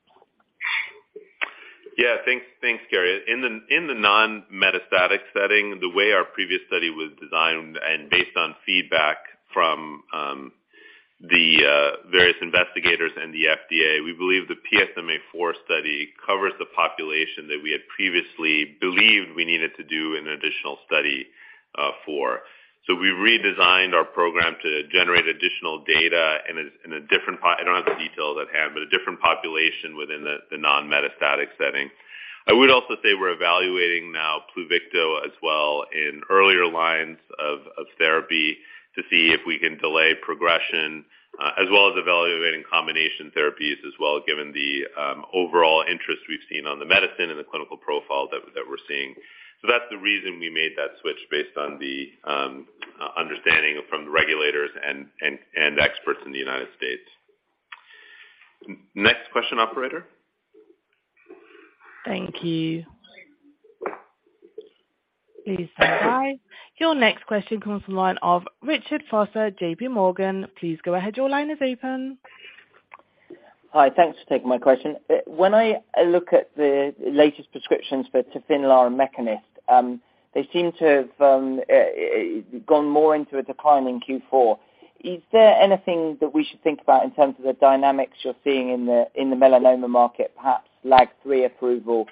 Thanks, Kerry. In the non-metastatic setting, the way our previous study was designed and based on feedback from the various investigators and the FDA, we believe the PSMAfore study covers the population that we had previously believed we needed to do an additional study for. We redesigned our program to generate additional data in a different population within the non-metastatic setting. I don't have the detail at hand, but a different population within the non-metastatic setting. I would also say we're evaluating now Pluvicto as well in earlier lines of therapy to see if we can delay progression as well as evaluating combination therapies as well, given the overall interest we've seen on the medicine and the clinical profile that we're seeing. That's the reason we made that switch based on the understanding from the regulators and experts in the United States. Next question, operator. Thank you. Please stand by. Your next question comes from the line of Richard Vosser, JPMorgan. Please go ahead. Your line is open. Hi. Thanks for taking my question. When I look at the latest prescriptions for Tafinlar and Mekinist, they seem to have gone more into a decline in Q4. Is there anything that we should think about in terms of the dynamics you're seeing in the melanoma market, perhaps LAG-3 approval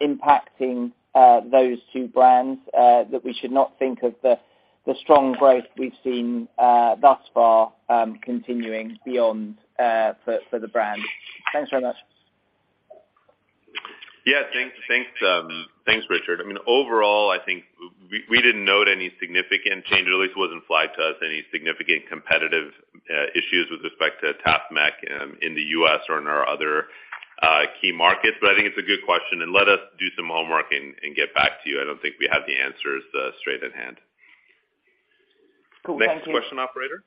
impacting those two brands, that we should not think of the strong growth we've seen thus far continuing beyond for the brand? Thanks very much. Yeah. Thanks, Richard. I mean, overall, I think we didn't note any significant change. At least it wasn't flagged to us any significant competitive issues with respect to Tafinlar + Mekinist in the U.S. or in our other key markets. I think it's a good question, and let us do some homework and get back to you. I don't think we have the answers straight at hand. Cool. Thank you. Next question, operator.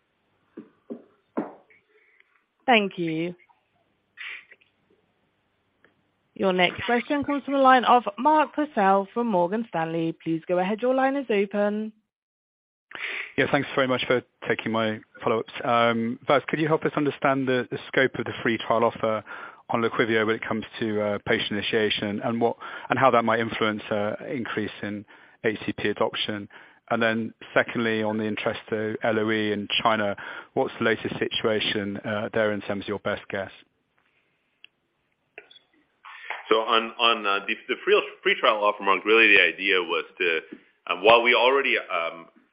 Thank you. Your next question comes from the line of Mark Purcell from Morgan Stanley. Please go ahead. Your line is open. Yeah, thanks very much for taking my follow-ups. First, could you help us understand the scope of the free trial offer on Leqvio when it comes to patient initiation and what and how that might influence increase in ACP adoption? Then secondly, on the Entresto LOE in China, what's the latest situation there in terms of your best guess? On the free trial offer, Mark, really the idea was to, while we already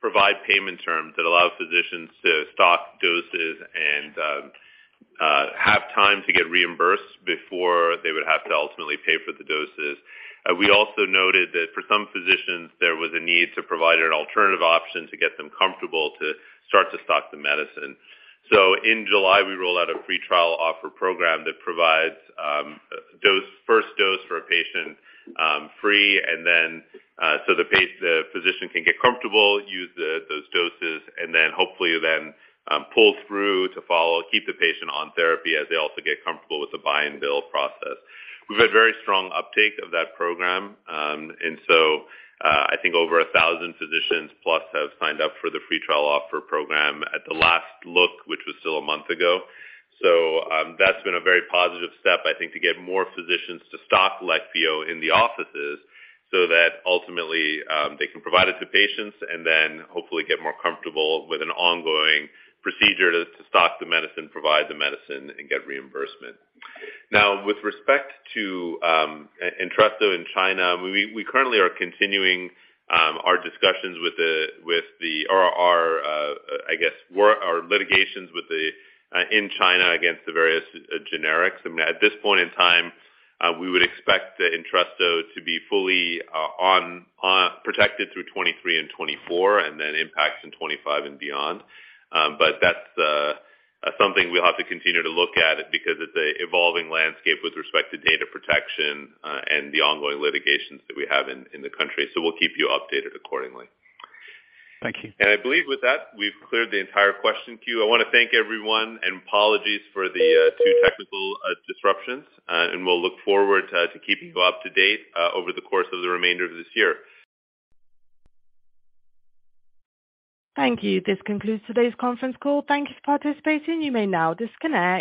provide payment terms that allow physicians to stock doses and have time to get reimbursed before they would have to ultimately pay for the doses. We also noted that for some physicians, there was a need to provide an alternative option to get them comfortable to start to stock the medicine. In July, we rolled out a free trial offer program that provides first dose for a patient free, and then the physician can get comfortable, use those doses, and then hopefully pull through to follow, keep the patient on therapy as they also get comfortable with the buy and bill process. We've had very strong uptake of that program. I think over 1,000 physicians plus have signed up for the free trial offer program at the last look, which was still a month ago. That's been a very positive step, I think, to get more physicians to stock Leqvio in the offices so that ultimately, they can provide it to patients and then hopefully get more comfortable with an ongoing procedure to stock the medicine, provide the medicine, and get reimbursement. Now, with respect to Entresto in China, we currently are continuing our litigations in China against the various generics. I mean, at this point in time, we would expect the Entresto to be fully protected through 2023 and 2024, and then impact in 2025 and beyond. That's something we'll have to continue to look at it because it's a evolving landscape with respect to data protection and the ongoing litigations that we have in the country. We'll keep you updated accordingly. Thank you. I believe with that, we've cleared the entire question queue. I wanna thank everyone and apologies for the two technical disruptions, and we'll look forward to keeping you up to date over the course of the remainder of this year. Thank you. This concludes today's conference call. Thank you for participating. You may now disconnect.